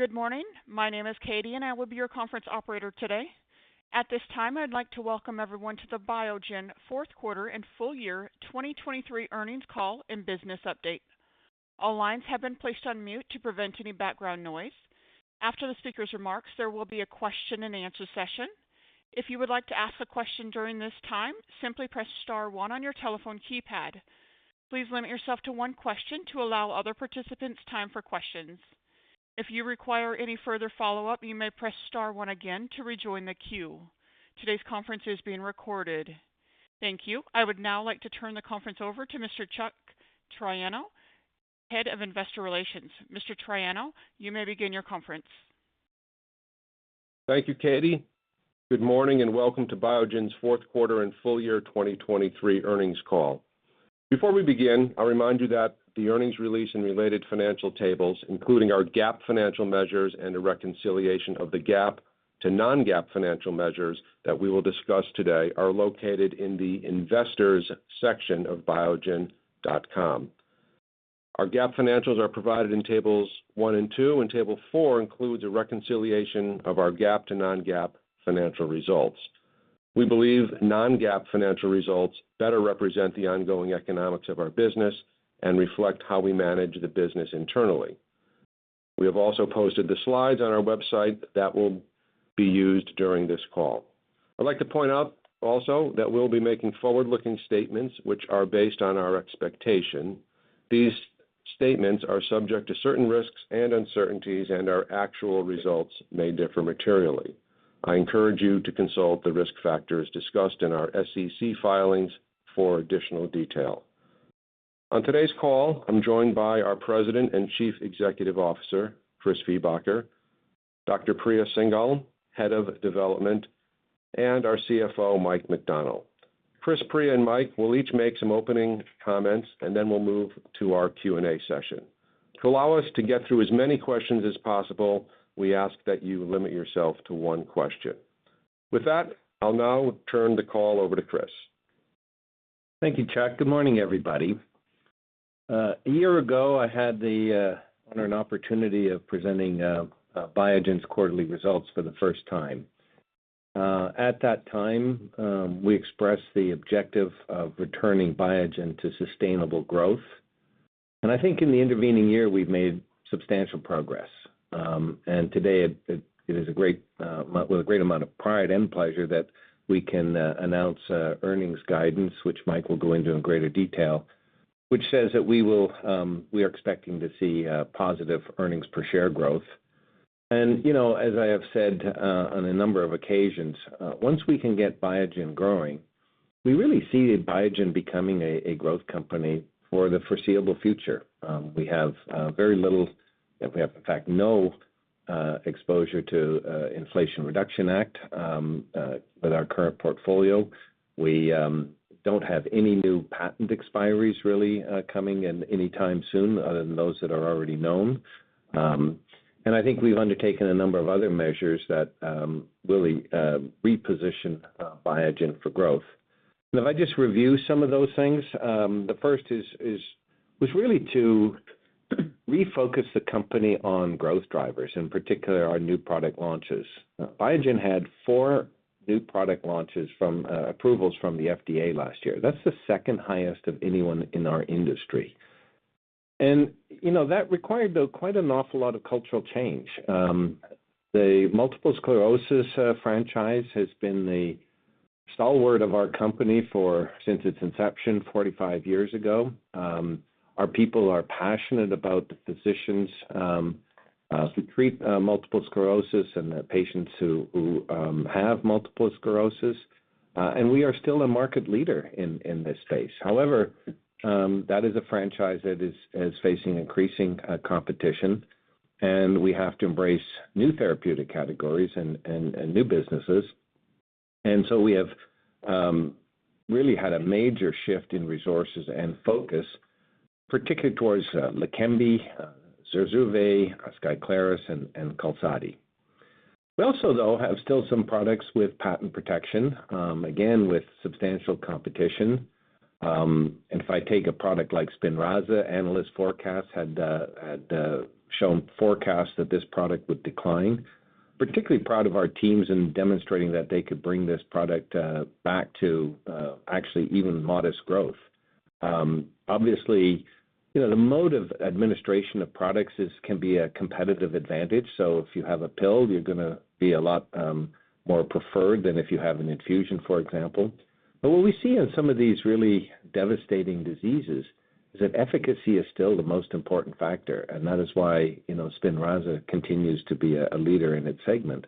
Good morning. My name is Katie, and I will be your conference operator today. At this time, I'd like to welcome everyone to the Biogen Fourth Quarter and Full Year 2023 Earnings Call and Business Update. All lines have been placed on mute to prevent any background noise. After the speaker's remarks, there will be a question-and-answer session. If you would like to ask a question during this time, simply press star one on your telephone keypad. Please limit yourself to one question to allow other participants time for questions. If you require any further follow-up, you may press star one again to rejoin the queue. Today's conference is being recorded. Thank you. I would now like to turn the conference over to Mr. Chuck Triano, Head of Investor Relations. Mr. Triano, you may begin your conference. Thank you, Katie. Good morning, and welcome to Biogen's fourth quarter and full year 2023 earnings call. Before we begin, I'll remind you that the earnings release and related financial tables, including our GAAP financial measures and a reconciliation of the GAAP to non-GAAP financial measures that we will discuss today, are located in the Investors section of biogen.com. Our GAAP financials are provided in tables one and two, and table four includes a reconciliation of our GAAP to non-GAAP financial results. We believe non-GAAP financial results better represent the ongoing economics of our business and reflect how we manage the business internally. We have also posted the slides on our website that will be used during this call. I'd like to point out also that we'll be making forward-looking statements which are based on our expectation. These statements are subject to certain risks and uncertainties, and our actual results may differ materially. I encourage you to consult the risk factors discussed in our SEC filings for additional detail. On today's call, I'm joined by our President and Chief Executive Officer, Chris Viehbacher, Dr. Priya Singhal, Head of Development, and our CFO, Mike McDonnell. Chris, Priya, and Mike will each make some opening comments, and then we'll move to our Q and A session. To allow us to get through as many questions as possible, we ask that you limit yourself to one question. With that, I'll now turn the call over to Chris. Thank you, Chuck. Good morning, everybody. A year ago, I had the honor and opportunity of presenting Biogen's quarterly results for the first time. At that time, we expressed the objective of returning Biogen to sustainable growth, and I think in the intervening year, we've made substantial progress. And today, it is a great, with a great amount of pride and pleasure that we can announce earnings guidance, which Mike will go into in greater detail, which says that we will. We are expecting to see positive earnings per share growth. And, you know, as I have said, on a number of occasions, once we can get Biogen growing, we really see Biogen becoming a growth company for the foreseeable future. We have very little, we have, in fact, no exposure to Inflation Reduction Act with our current portfolio. We don't have any new patent expiries really coming in anytime soon, other than those that are already known. And I think we've undertaken a number of other measures that really reposition Biogen for growth. And if I just review some of those things, the first was really to refocus the company on growth drivers, in particular, our new product launches. Biogen had four new product launches from approvals from the FDA last year. That's the second highest of anyone in our industry. And, you know, that required, though, quite an awful lot of cultural change. The multiple sclerosis franchise has been the stalwart of our company for since its inception 45 years ago. Our people are passionate about the physicians who treat multiple sclerosis and the patients who have multiple sclerosis, and we are still a market leader in this space. However, that is a franchise that is facing increasing competition, and we have to embrace new therapeutic categories and new businesses. So we have really had a major shift in resources and focus, particularly towards Leqembi, Zurzuvae, Skyclarys, and Qalsody. We also, though, have still some products with patent protection, again, with substantial competition. And if I take a product like Spinraza, analyst forecasts had shown forecasts that this product would decline. Particularly proud of our teams in demonstrating that they could bring this product back to actually even modest growth. Obviously, you know, the mode of administration of products is, can be a competitive advantage, so if you have a pill, you're gonna be a lot more preferred than if you have an infusion, for example. But what we see in some of these really devastating diseases is that efficacy is still the most important factor, and that is why, you know, Spinraza continues to be a leader in its segment.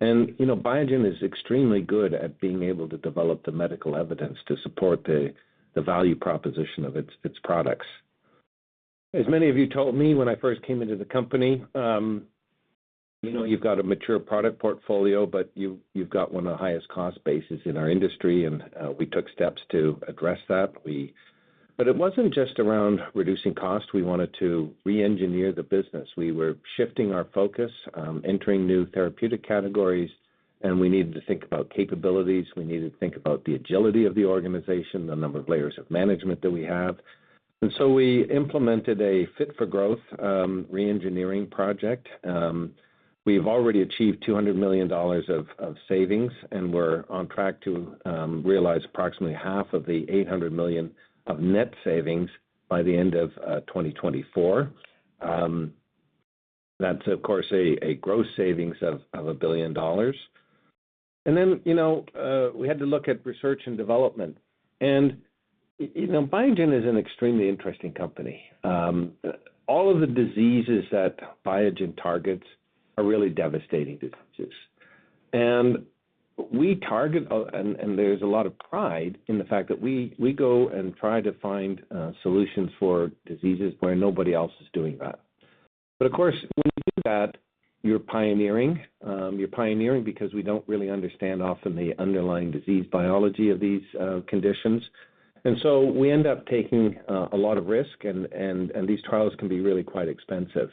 And, you know, Biogen is extremely good at being able to develop the medical evidence to support the value proposition of its products. As many of you told me when I first came into the company, you know, you've got a mature product portfolio, but you've got one of the highest cost bases in our industry, and we took steps to address that. But it wasn't just around reducing cost. We wanted to reengineer the business. We were shifting our focus, entering new therapeutic categories, and we needed to think about capabilities. We needed to think about the agility of the organization, the number of layers of management that we have. And so we implemented a Fit for Growth reengineering project. We've already achieved $200 million of savings, and we're on track to realize approximately half of the $800 million of net savings by the end of 2024. That's of course a gross savings of $1 billion. And then, you know, we had to look at research and development. And, you know, Biogen is an extremely interesting company. All of the diseases that Biogen targets are really devastating diseases. We target, and there's a lot of pride in the fact that we go and try to find solutions for diseases where nobody else is doing that. But of course, when you do that, you're pioneering. You're pioneering because we don't really understand often the underlying disease biology of these conditions. And so we end up taking a lot of risk, and these trials can be really quite expensive.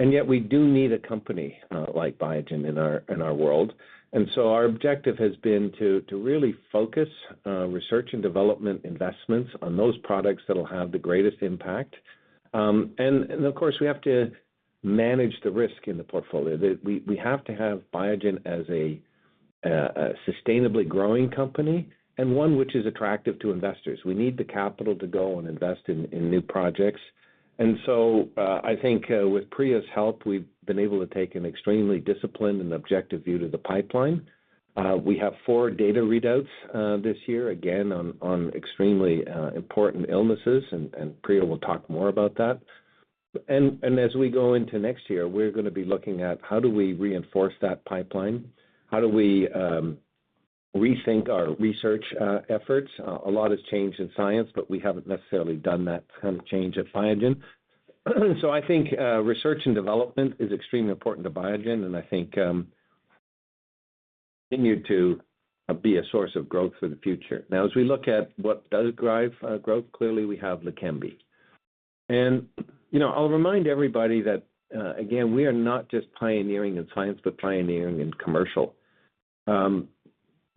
And yet we do need a company like Biogen in our world. And so our objective has been to really focus research and development investments on those products that will have the greatest impact. And of course, we have to manage the risk in the portfolio. We have to have Biogen as a sustainably growing company and one which is attractive to investors. We need the capital to go and invest in new projects. And so, I think, with Priya's help, we've been able to take an extremely disciplined and objective view to the pipeline. We have four data readouts this year, again, on extremely important illnesses, and Priya will talk more about that. And as we go into next year, we're going to be looking at how do we reinforce that pipeline? How do we rethink our research efforts? A lot has changed in science, but we haven't necessarily done that kind of change at Biogen. So I think research and development is extremely important to Biogen, and I think continue to be a source of growth for the future. Now, as we look at what does drive growth, clearly we have Leqembi. And, you know, I'll remind everybody that again, we are not just pioneering in science, but pioneering in commercial.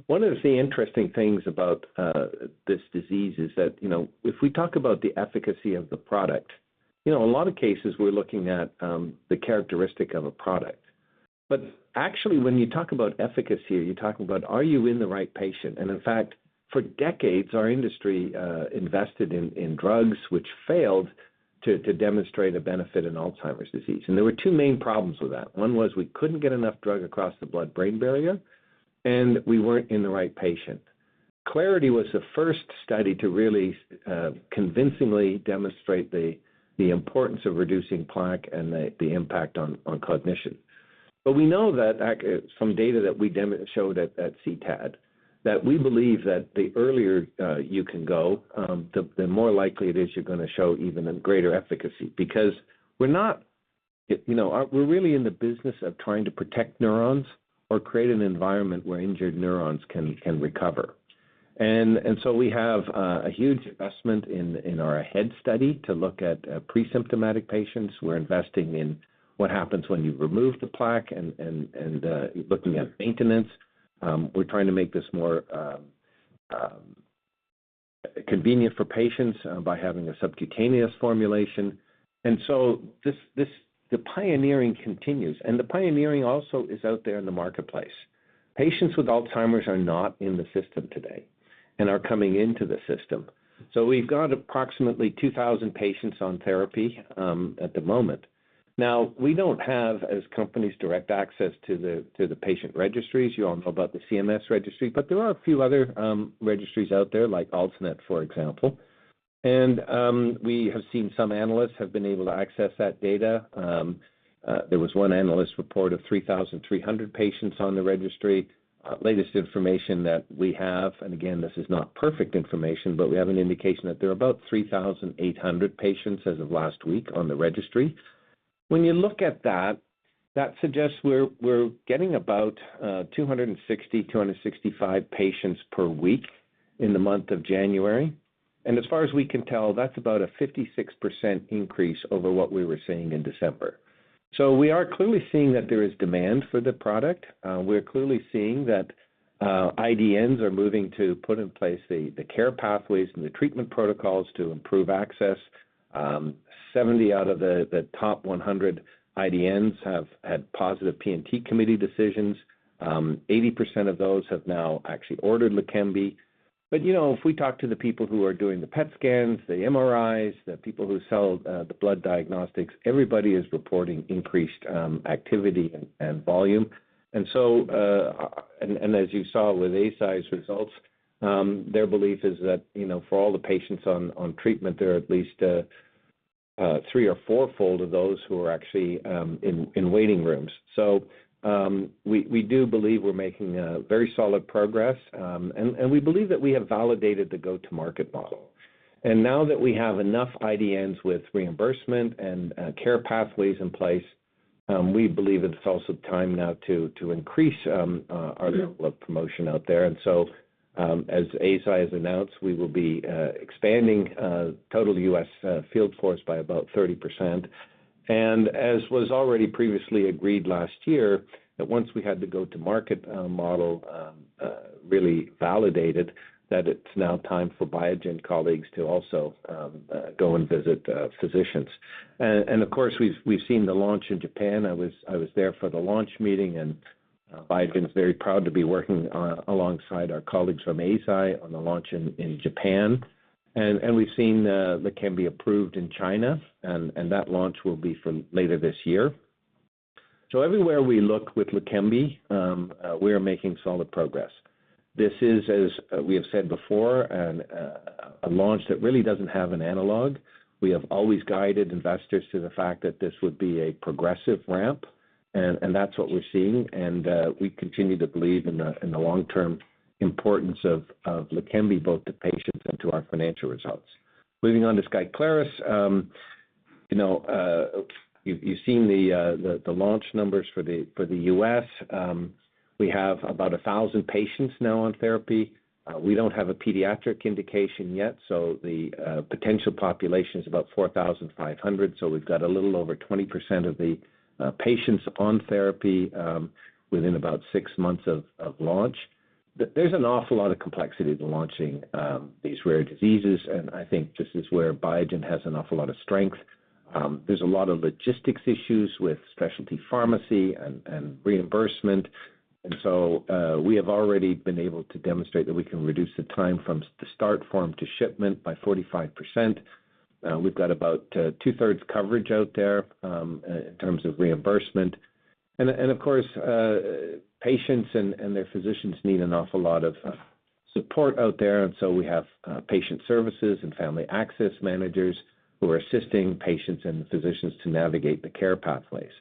One of the interesting things about this disease is that, you know, if we talk about the efficacy of the product, you know, in a lot of cases, we're looking at the characteristic of a product. But actually, when you talk about efficacy, you're talking about are you in the right patient? And in fact, for decades, our industry invested in drugs which failed to demonstrate a benefit in Alzheimer's disease. And there were two main problems with that. One was we couldn't get enough drug across the blood-brain barrier, and we weren't in the right patient. Clarity was the first study to really convincingly demonstrate the importance of reducing plaque and the impact on cognition. But we know that from data that we showed at CTAD, that we believe that the earlier you can go, the more likely it is you're going to show even a greater efficacy. Because we're not, you know, we're really in the business of trying to protect neurons or create an environment where injured neurons can recover. And so we have a huge investment in our AHEAD study to look at presymptomatic patients. We're investing in what happens when you remove the plaque and looking at maintenance. We're trying to make this more convenient for patients by having a subcutaneous formulation. And so this pioneering continues, and the pioneering also is out there in the marketplace. Patients with Alzheimer's are not in the system today and are coming into the system. So we've got approximately 2,000 patients on therapy at the moment. Now, we don't have, as companies, direct access to the patient registries. You all know about the CMS registry, but there are a few other registries out there, like ALZ-NET, for example. And we have seen some analysts have been able to access that data. There was one analyst report of 3,300 patients on the registry. Latest information that we have, and again, this is not perfect information, but we have an indication that there are about 3,800 patients as of last week on the registry. When you look at that, that suggests we're getting about 260-265 patients per week in the month of January. As far as we can tell, that's about a 56% increase over what we were seeing in December. So we are clearly seeing that there is demand for the product. We're clearly seeing that IDNs are moving to put in place the care pathways and the treatment protocols to improve access. 70 out of the top 100 IDNs have had positive P&T committee decisions. 80% of those have now actually ordered Leqembi. But, you know, if we talk to the people who are doing the PET scans, the MRIs, the people who sell the blood diagnostics, everybody is reporting increased activity and volume. And so, as you saw with Eisai's results, their belief is that, you know, for all the patients on treatment, there are at least three or fourfold of those who are actually in waiting rooms. So, we do believe we're making very solid progress, and we believe that we have validated the go-to-market model. And now that we have enough IDNs with reimbursement and care pathways in place, we believe it's also time now to increase our level of promotion out there. As Eisai has announced, we will be expanding total U.S. field force by about 30%. As was already previously agreed last year, that once we had the go-to-market model really validated, that it's now time for Biogen colleagues to also go and visit physicians. Of course, we've seen the launch in Japan. I was there for the launch meeting, and Biogen is very proud to be working alongside our colleagues from Eisai on the launch in Japan. We've seen Leqembi approved in China, and that launch will be for later this year. So everywhere we look with Leqembi, we are making solid progress. This is, as we have said before, a launch that really doesn't have an analog. We have always guided investors to the fact that this would be a progressive ramp, and that's what we're seeing. We continue to believe in the long-term importance of Leqembi, both to patients and to our financial results. Moving on to Skyclarys, you know, you've seen the launch numbers for the U.S. We have about 1,000 patients now on therapy. We don't have a pediatric indication yet, so the potential population is about 4,500. So we've got a little over 20% of the patients on therapy, within about six months of launch. There's an awful lot of complexity to launching these rare diseases, and I think this is where Biogen has an awful lot of strength. There's a lot of logistics issues with specialty pharmacy and reimbursement. So, we have already been able to demonstrate that we can reduce the time from the start form to shipment by 45%. We've got about 2/3 coverage out there in terms of reimbursement. Of course, patients and their physicians need an awful lot of support out there, so we have patient services and family access managers who are assisting patients and physicians to navigate the care pathways.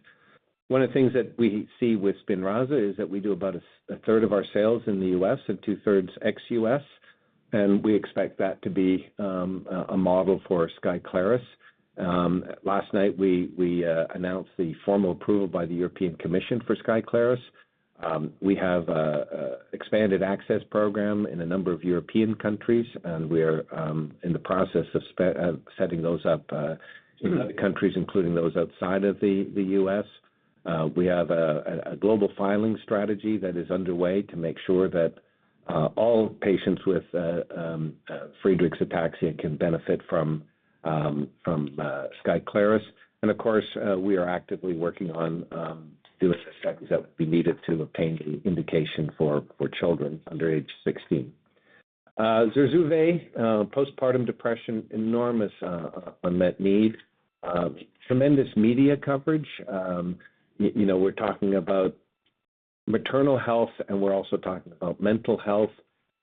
One of the things that we see with SPINRAZA is that we do about a 1/3 of our sales in the U.S., and 2/3 ex-U.S., and we expect that to be a model for Skyclarys. Last night, we announced the formal approval by the European Commission for Skyclarys. We have an expanded access program in a number of European countries, and we are in the process of setting those up in other countries, including those outside of the U.S. We have a global filing strategy that is underway to make sure that all patients with Friedreich's ataxia can benefit from Skyclarys. And of course, we are actively working on doing the studies that would be needed to obtain indication for children under age 16. Zurzuvae, postpartum depression, enormous unmet need, tremendous media coverage. You know, we're talking about maternal health, and we're also talking about mental health,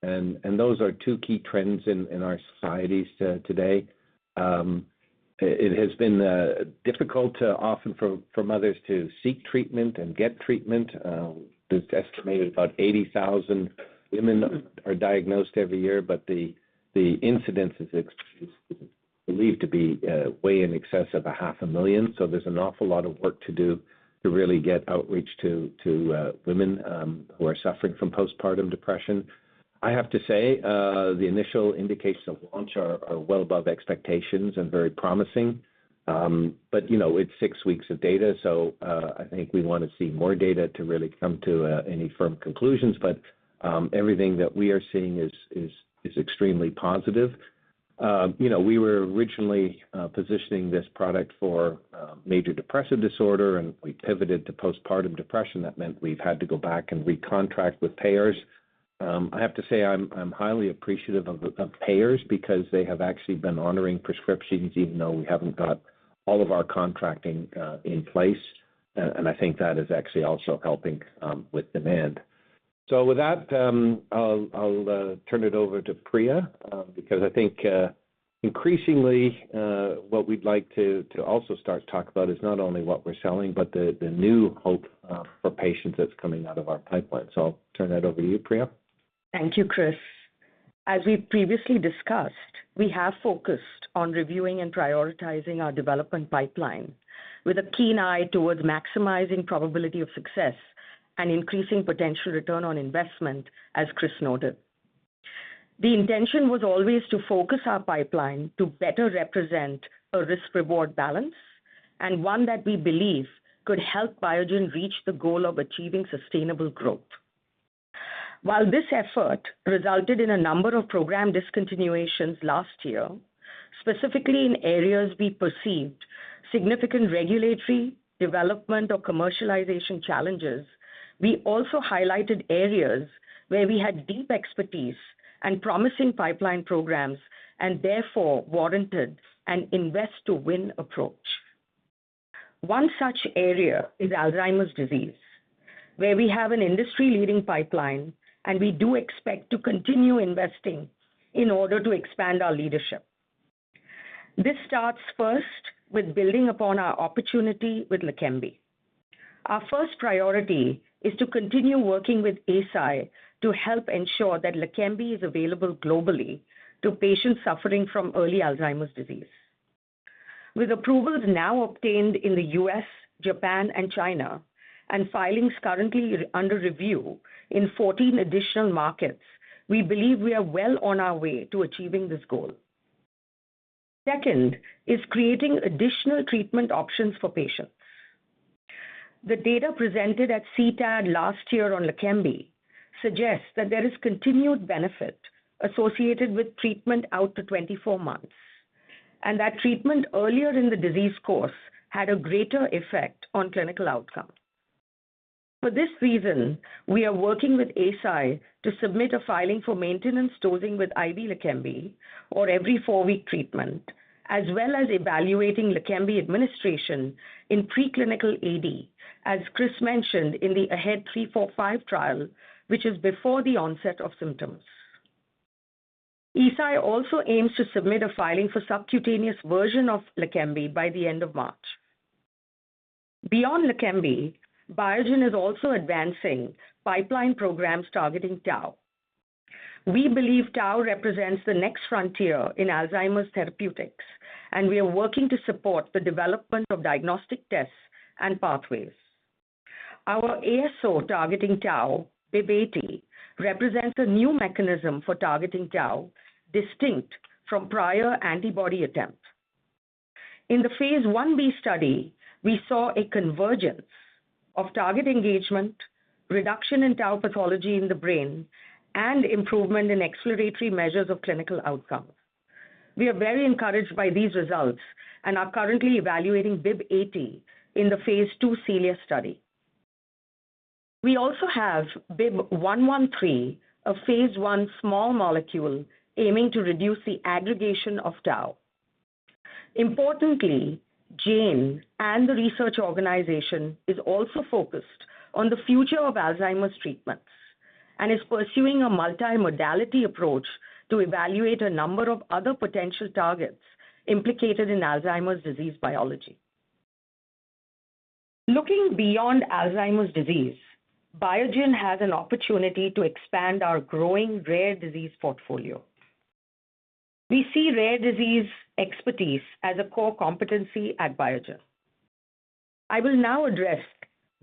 and those are two key trends in our societies today. It has been difficult, often for mothers to seek treatment and get treatment. It's estimated about 80,000 women are diagnosed every year, but the incidence is believed to be way in excess of 500,000. So there's an awful lot of work to do to really get outreach to women who are suffering from postpartum depression. I have to say, the initial indications of launch are well above expectations and very promising. But, you know, it's six weeks of data, so I think we want to see more data to really come to any firm conclusions. But, everything that we are seeing is extremely positive. You know, we were originally positioning this product for major depressive disorder, and we pivoted to postpartum depression. That meant we've had to go back and recontract with payers. I have to say, I'm highly appreciative of payers because they have actually been honoring prescriptions, even though we haven't got all of our contracting in place. I think that is actually also helping with demand. So with that, I'll turn it over to Priya. Because I think increasingly what we'd like to also start to talk about is not only what we're selling, but the new hope for patients that's coming out of our pipeline. So I'll turn that over to you, Priya. Thank you, Chris. As we previously discussed, we have focused on reviewing and prioritizing our development pipeline with a keen eye toward maximizing probability of success and increasing potential return on investment, as Chris noted. The intention was always to focus our pipeline to better represent a risk-reward balance, and one that we believe could help Biogen reach the goal of achieving sustainable growth. While this effort resulted in a number of program discontinuations last year, specifically in areas we perceived significant regulatory development or commercialization challenges, we also highlighted areas where we had deep expertise and promising pipeline programs, and therefore warranted an invest-to-win approach. One such area is Alzheimer's disease, where we have an industry-leading pipeline, and we do expect to continue investing in order to expand our leadership. This starts first with building upon our opportunity with Leqembi. Our first priority is to continue working with Eisai to help ensure that Leqembi is available globally to patients suffering from early Alzheimer's disease. With approvals now obtained in the U.S., Japan, and China, and filings currently under review in 14 additional markets, we believe we are well on our way to achieving this goal. Second is creating additional treatment options for patients. The data presented at CTAD last year on Leqembi suggests that there is continued benefit associated with treatment out to 24 months, and that treatment earlier in the disease course had a greater effect on clinical outcome. For this reason, we are working with Eisai to submit a filing for maintenance dosing with IV Leqembi, or every four week treatment, as well as evaluating Leqembi administration in preclinical AD, as Chris mentioned in the AHEAD 3-45 trial, which is before the onset of symptoms. Eisai also aims to submit a filing for subcutaneous version of Leqembi by the end of March. Beyond Leqembi, Biogen is also advancing pipeline programs targeting tau. We believe tau represents the next frontier in Alzheimer's therapeutics, and we are working to support the development of diagnostic tests and pathways. Our ASO targeting tau, BIIB080, represents a new mechanism for targeting tau, distinct from prior antibody attempts. In the phase Ib study, we saw a convergence of target engagement, reduction in tau pathology in the brain, and improvement in exploratory measures of clinical outcomes. We are very encouraged by these results and are currently evaluating BIIB080 in the phase II CELIA study. We also have BIIB113, a phase I small molecule aiming to reduce the aggregation of tau. Importantly, Jane and the research organization is also focused on the future of Alzheimer's treatments and is pursuing a multimodality approach to evaluate a number of other potential targets implicated in Alzheimer's disease biology. Looking beyond Alzheimer's disease, Biogen has an opportunity to expand our growing rare disease portfolio. We see rare disease expertise as a core competency at Biogen. I will now address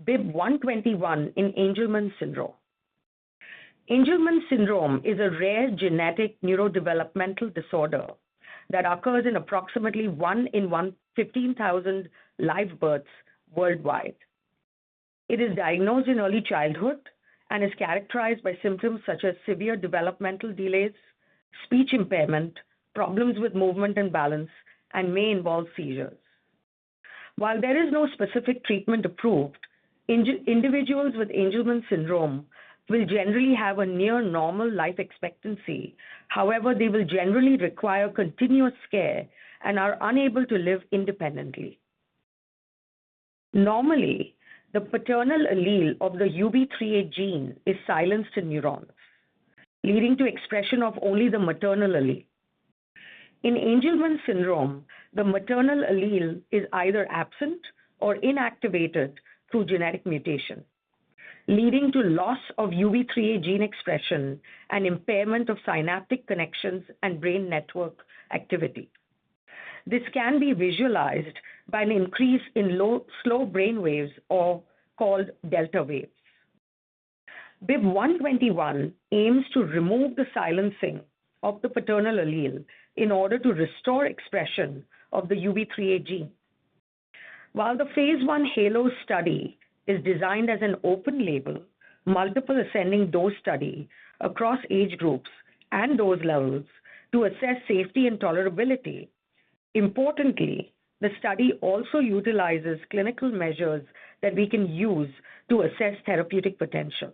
BIIB121 in Angelman syndrome. Angelman syndrome is a rare genetic neurodevelopmental disorder that occurs in approximately one in 15,000 live births worldwide. It is diagnosed in early childhood and is characterized by symptoms such as severe developmental delays, speech impairment, problems with movement and balance, and may involve seizures. While there is no specific treatment approved, individuals with Angelman syndrome will generally have a near normal life expectancy. However, they will generally require continuous care and are unable to live independently. Normally, the paternal allele of the UBE3A gene is silenced in neurons, leading to expression of only the maternal allele. In Angelman syndrome, the maternal allele is either absent or inactivated through genetic mutation, leading to loss of UBE3A gene expression and impairment of synaptic connections and brain network activity. This can be visualized by an increase in low-slow brain waves or called delta waves. BIIB121 aims to remove the silencing of the paternal allele in order to restore expression of the UBE3A gene. While the phase I HALO study is designed as an open-label, multiple ascending dose study across age groups and dose levels to assess safety and tolerability, importantly, the study also utilizes clinical measures that we can use to assess therapeutic potential.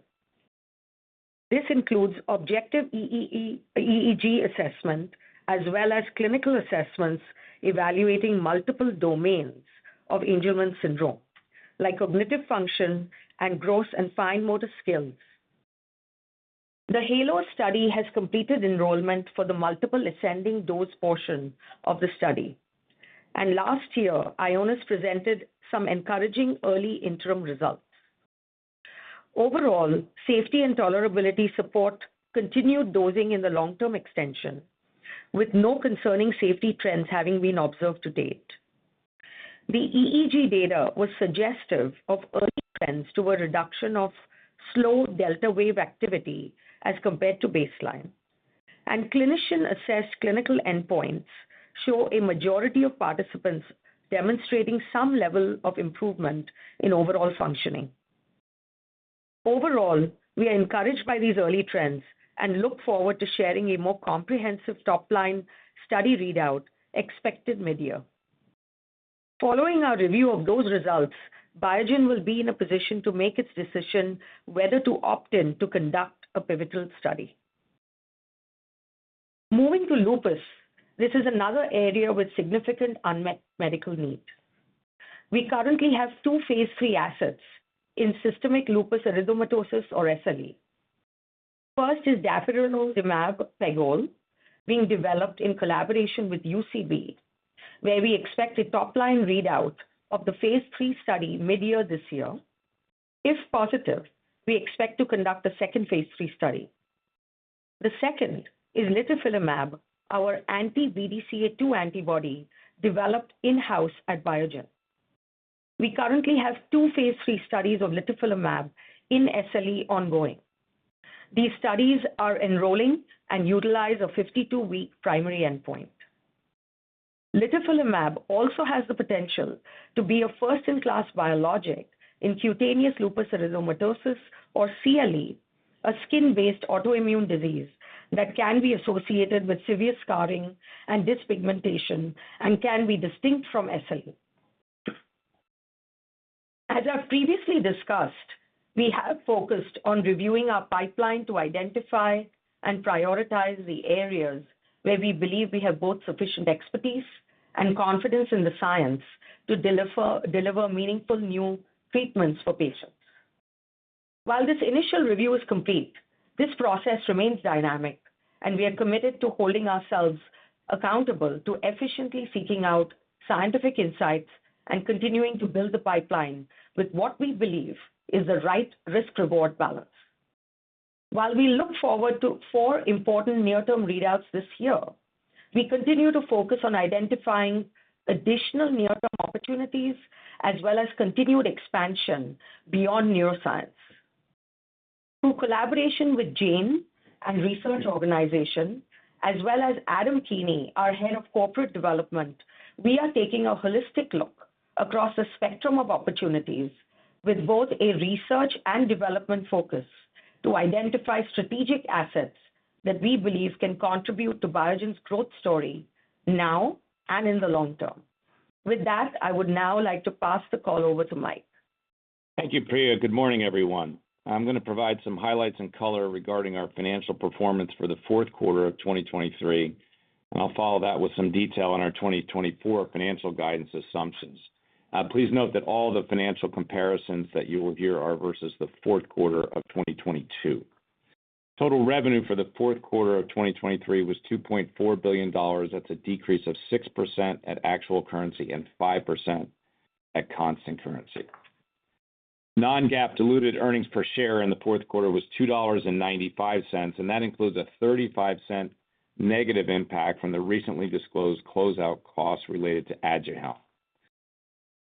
This includes objective EEG assessment as well as clinical assessments evaluating multiple domains of Angelman syndrome, like cognitive function and gross and fine motor skills. The HALO study has completed enrollment for the multiple ascending dose portion of the study, and last year, Ionis presented some encouraging early interim results. Overall, safety and tolerability support continued dosing in the long-term extension, with no concerning safety trends having been observed to date. The EEG data was suggestive of early trends to a reduction of slow delta wave activity as compared to baseline. Clinician-assessed clinical endpoints show a majority of participants demonstrating some level of improvement in overall functioning. Overall, we are encouraged by these early trends and look forward to sharing a more comprehensive top-line study readout expected mid-year. Following our review of those results, Biogen will be in a position to make its decision whether to opt in to conduct a pivotal study. Moving to lupus, this is another area with significant unmet medical need. We currently have two phase III assets in systemic lupus erythematosus, or SLE. First is dapirolizumab pegol, being developed in collaboration with UCB, where we expect a top-line readout of the phase III study mid-year this year. If positive, we expect to conduct a second phase III study. The second is litifilimab, our anti-BDCA2 antibody developed in-house at Biogen. We currently have two phase III studies of litifilimab in SLE ongoing. These studies are enrolling and utilize a 52-week primary endpoint. Litifilimab also has the potential to be a first-in-class biologic in cutaneous lupus erythematosus, or CLE, a skin-based autoimmune disease that can be associated with severe scarring and dyspigmentation and can be distinct from SLE. As I've previously discussed, we have focused on reviewing our pipeline to identify and prioritize the areas where we believe we have both sufficient expertise and confidence in the science to deliver meaningful new treatments for patients. While this initial review is complete, this process remains dynamic, and we are committed to holding ourselves accountable to efficiently seeking out scientific insights and continuing to build the pipeline with what we believe is the right risk-reward balance. While we look forward to four important near-term readouts this year, we continue to focus on identifying additional near-term opportunities as well as continued expansion beyond neuroscience. Through collaboration with Jane and research organization, as well as Adam Keeney, our Head of Corporate Development, we are taking a holistic look across the spectrum of opportunities with both a research and development focus, to identify strategic assets that we believe can contribute to Biogen's growth story now and in the long term. With that, I would now like to pass the call over to Mike. Thank you, Priya. Good morning, everyone. I'm going to provide some highlights and color regarding our financial performance for the fourth quarter of 2023, and I'll follow that with some detail on our 2024 financial guidance assumptions. Please note that all the financial comparisons that you will hear are versus the fourth quarter of 2022. Total revenue for the fourth quarter of 2023 was $2.4 billion. That's a decrease of 6% at actual currency and 5% at constant currency. Non-GAAP diluted earnings per share in the fourth quarter was $2.95, and that includes a $0.35 negative impact from the recently disclosed closeout costs related to Aduhelm.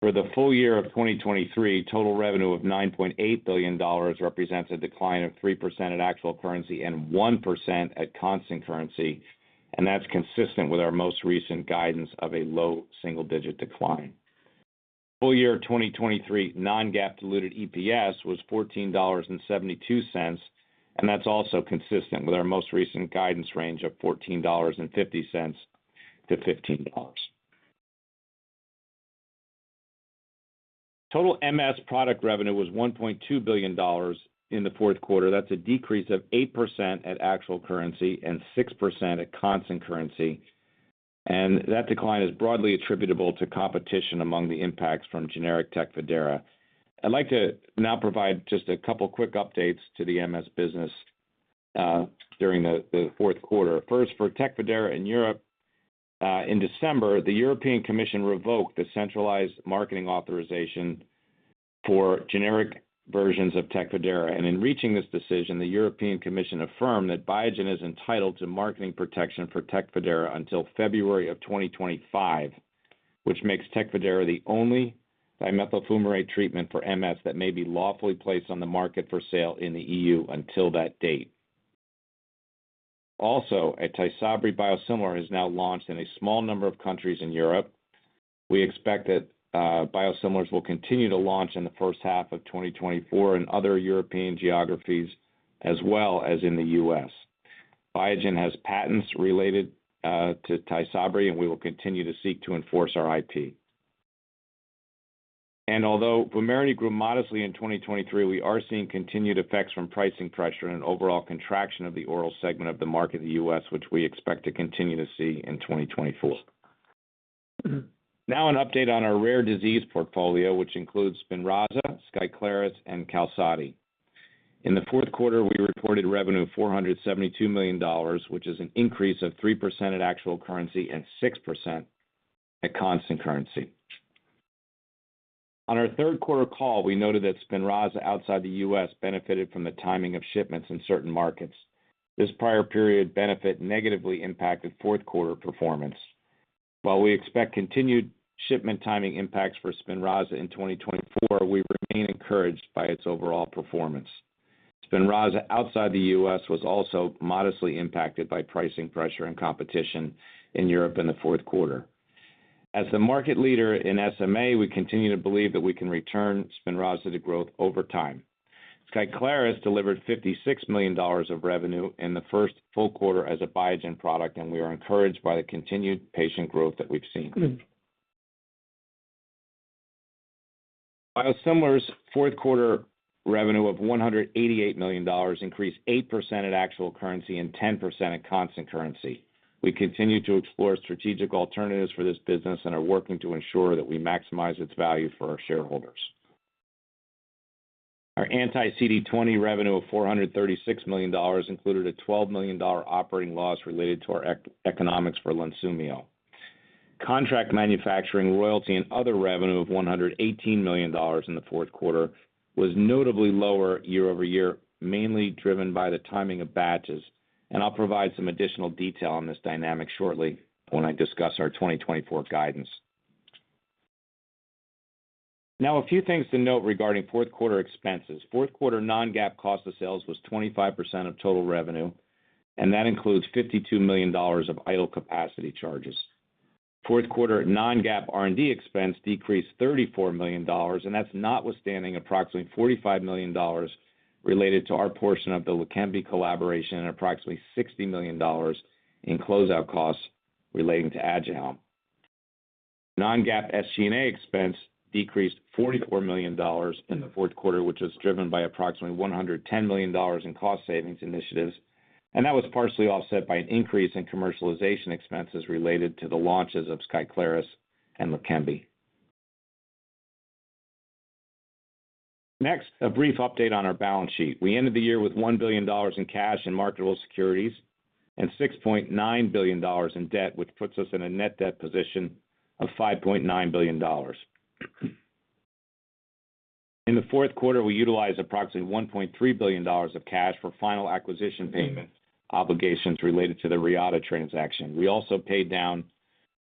For the full year of 2023, total revenue of $9.8 billion represents a decline of 3% at actual currency and 1% at constant currency, and that's consistent with our most recent guidance of a low single-digit decline. Full year 2023 non-GAAP diluted EPS was $14.72, and that's also consistent with our most recent guidance range of $14.50-$15. Total MS product revenue was $1.2 billion in the fourth quarter. That's a decrease of 8% at actual currency and 6% at constant currency. And that decline is broadly attributable to competition among the impacts from generic Tecfidera. I'd like to now provide just a couple quick updates to the MS business during the fourth quarter. First, for Tecfidera in Europe, in December, the European Commission revoked the centralized marketing authorization for generic versions of Tecfidera. And in reaching this decision, the European Commission affirmed that Biogen is entitled to marketing protection for Tecfidera until February 2025, which makes Tecfidera the only dimethyl fumarate treatment for MS that may be lawfully placed on the market for sale in the EU until that date. Also, a Tysabri biosimilar is now launched in a small number of countries in Europe. We expect that, biosimilars will continue to launch in the first half of 2024 in other European geographies as well as in the U.S. Biogen has patents related, to Tysabri, and we will continue to seek to enforce our IP. Although Vumerity grew modestly in 2023, we are seeing continued effects from pricing pressure and an overall contraction of the oral segment of the market in the U.S., which we expect to continue to see in 2024. Now, an update on our rare disease portfolio, which includes Spinraza, Skyclarys, and Qalsody. In the fourth quarter, we reported revenue of $472 million, which is an increase of 3% at actual currency and 6% at constant currency. On our third-quarter call, we noted that Spinraza outside the U.S. benefited from the timing of shipments in certain markets. This prior period benefit negatively impacted fourth-quarter performance. While we expect continued shipment timing impacts for Spinraza in 2024, we remain encouraged by its overall performance. Spinraza outside the U.S. was also modestly impacted by pricing pressure and competition in Europe in the fourth quarter. As the market leader in SMA, we continue to believe that we can return Spinraza to growth over time. Skyclarys delivered $56 million of revenue in the first full quarter as a Biogen product, and we are encouraged by the continued patient growth that we've seen. Biosimilars' fourth-quarter revenue of $188 million increased 8% at actual currency and 10% at constant currency. We continue to explore strategic alternatives for this business and are working to ensure that we maximize its value for our shareholders. Our anti-CD20 revenue of $436 million included a $12 million operating loss related to our economics for Lunsumio. Contract manufacturing, royalty, and other revenue of $118 million in the fourth quarter was notably lower year over year, mainly driven by the timing of batches. I'll provide some additional detail on this dynamic shortly when I discuss our 2024 guidance. Now, a few things to note regarding fourth quarter expenses. Fourth quarter non-GAAP cost of sales was 25% of total revenue, and that includes $52 million of idle capacity charges. Fourth quarter non-GAAP R&D expense decreased $34 million, and that's notwithstanding approximately $45 million related to our portion of the Leqembi collaboration and approximately $60 million in closeout costs relating to Aduhelm. Non-GAAP SG&A expense decreased $44 million in the fourth quarter, which was driven by approximately $110 million in cost savings initiatives, and that was partially offset by an increase in commercialization expenses related to the launches of Skyclarys and Leqembi. Next, a brief update on our balance sheet. We ended the year with $1 billion in cash and marketable securities, and $6.9 billion in debt, which puts us in a net debt position of $5.9 billion. In the fourth quarter, we utilized approximately $1.3 billion of cash for final acquisition payment, obligations related to the Reata transaction. We also paid down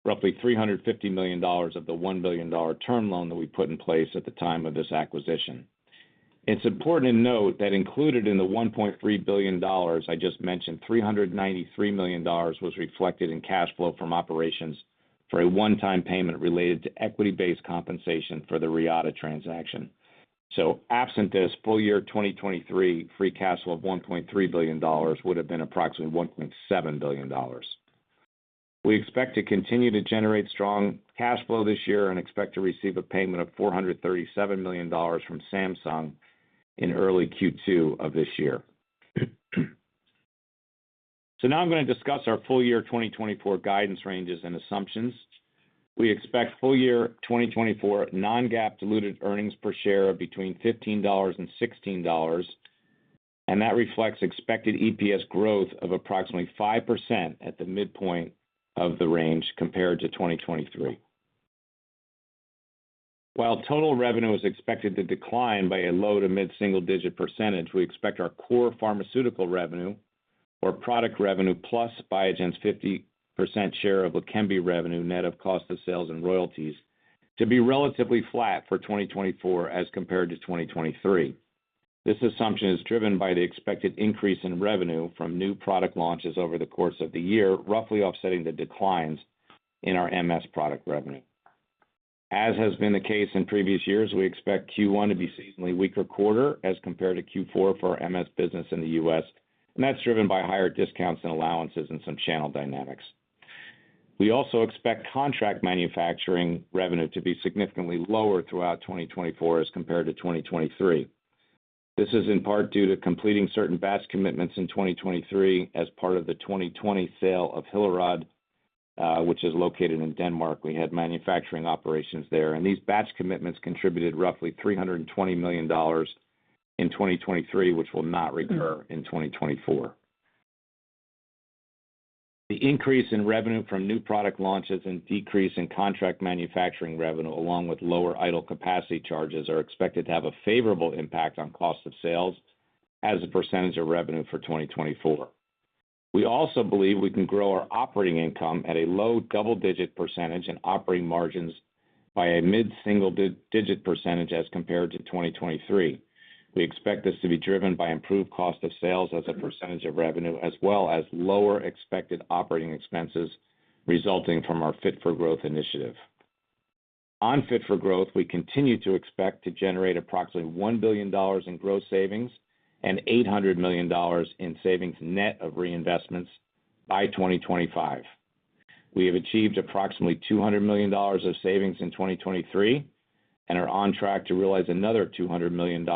roughly $350 million of the $1 billion term loan that we put in place at the time of this acquisition. It's important to note that included in the $1.3 billion I just mentioned, $393 million was reflected in cash flow from operations for a one-time payment related to equity-based compensation for the Reata transaction. So absent this, full year 2023, free cash flow of $1.3 billion would have been approximately $1.7 billion. We expect to continue to generate strong cash flow this year and expect to receive a payment of $437 million from Samsung in early Q2 of this year. So now I'm going to discuss our full year 2024 guidance ranges and assumptions. We expect full year 2024 non-GAAP diluted earnings per share of between $15 and $16, and that reflects expected EPS growth of approximately 5% at the midpoint of the range compared to 2023. While total revenue is expected to decline by a low- to mid-single-digit percentage, we expect our core pharmaceutical revenue or product revenue plus Biogen's 50% share of Leqembi revenue net of cost of sales and royalties, to be relatively flat for 2024 as compared to 2023. This assumption is driven by the expected increase in revenue from new product launches over the course of the year, roughly offsetting the declines in our MS product revenue. As has been the case in previous years, we expect Q1 to be a seasonally weaker quarter as compared to Q4 for our MS business in the U.S., and that's driven by higher discounts and allowances and some channel dynamics. We also expect contract manufacturing revenue to be significantly lower throughout 2024 as compared to 2023. This is in part due to completing certain batch commitments in 2023 as part of the 2020 sale of Hillerød, which is located in Denmark. We had manufacturing operations there, and these batch commitments contributed roughly $320 million in 2023, which will not recur in 2024. The increase in revenue from new product launches and decrease in contract manufacturing revenue, along with lower idle capacity charges, are expected to have a favorable impact on cost of sales as a percentage of revenue for 2024. We also believe we can grow our operating income at a low double-digit % and operating margins by a mid-single-digit % as compared to 2023. We expect this to be driven by improved cost of sales as a percentage of revenue, as well as lower expected operating expenses resulting from our Fit for Growth initiative. On Fit for Growth, we continue to expect to generate approximately $1 billion in gross savings and $800 million in savings net of reinvestments by 2025. We have achieved approximately $200 million of savings in 2023 and are on track to realize another $200 million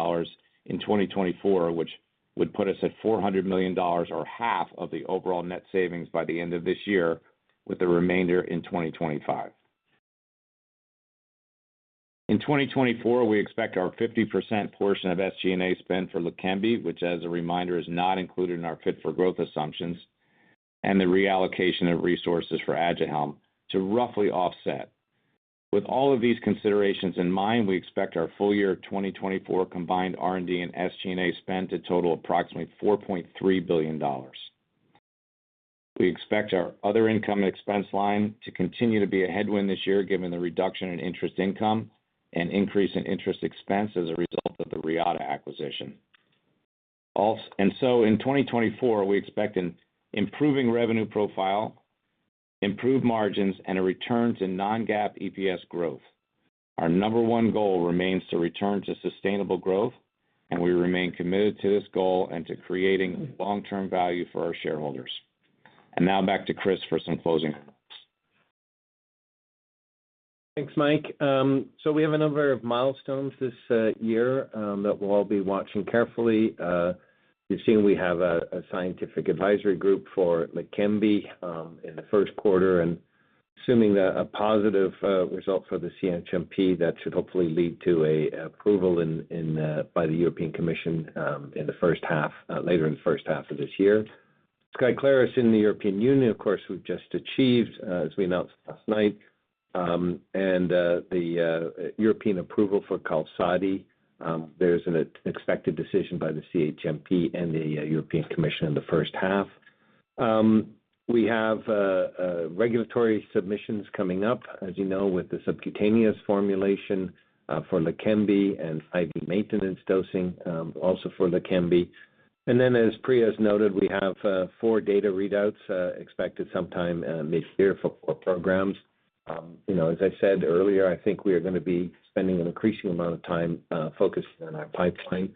in 2024, which would put us at $400 million or half of the overall net savings by the end of this year, with the remainder in 2025. In 2024, we expect our 50% portion of SG&A spend for Leqembi, which as a reminder, is not included in our Fit for Growth assumptions, and the reallocation of resources for Aduhelm to roughly offset. With all of these considerations in mind, we expect our full year 2024 combined R&D and SG&A spend to total approximately $4.3 billion. We expect our other income and expense line to continue to be a headwind this year, given the reduction in interest income and increase in interest expense as a result of the Reata acquisition. Also, and so in 2024, we expect an improving revenue profile, improved margins, and a return to non-GAAP EPS growth. Our number one goal remains to return to sustainable growth, and we remain committed to this goal and to creating long-term value for our shareholders. Now back to Chris for some closing remarks. Thanks, Mike. So we have a number of milestones this year that we'll all be watching carefully. You've seen we have a scientific advisory group for Leqembi in the first quarter, and assuming that a positive result for the CHMP, that should hopefully lead to approval by the European Commission in the first half, later in the first half of this year. Skyclarys in the European Union, of course, we've just achieved as we announced last night. And the European approval for Qalsody, there's an expected decision by the CHMP and the European Commission in the first half. We have regulatory submissions coming up, as you know, with the subcutaneous formulation for Leqembi and IV maintenance dosing also for Leqembi. And then, as Priya has noted, we have four data readouts expected sometime mid-year for four programs. You know, as I said earlier, I think we are going to be spending an increasing amount of time focused on our pipeline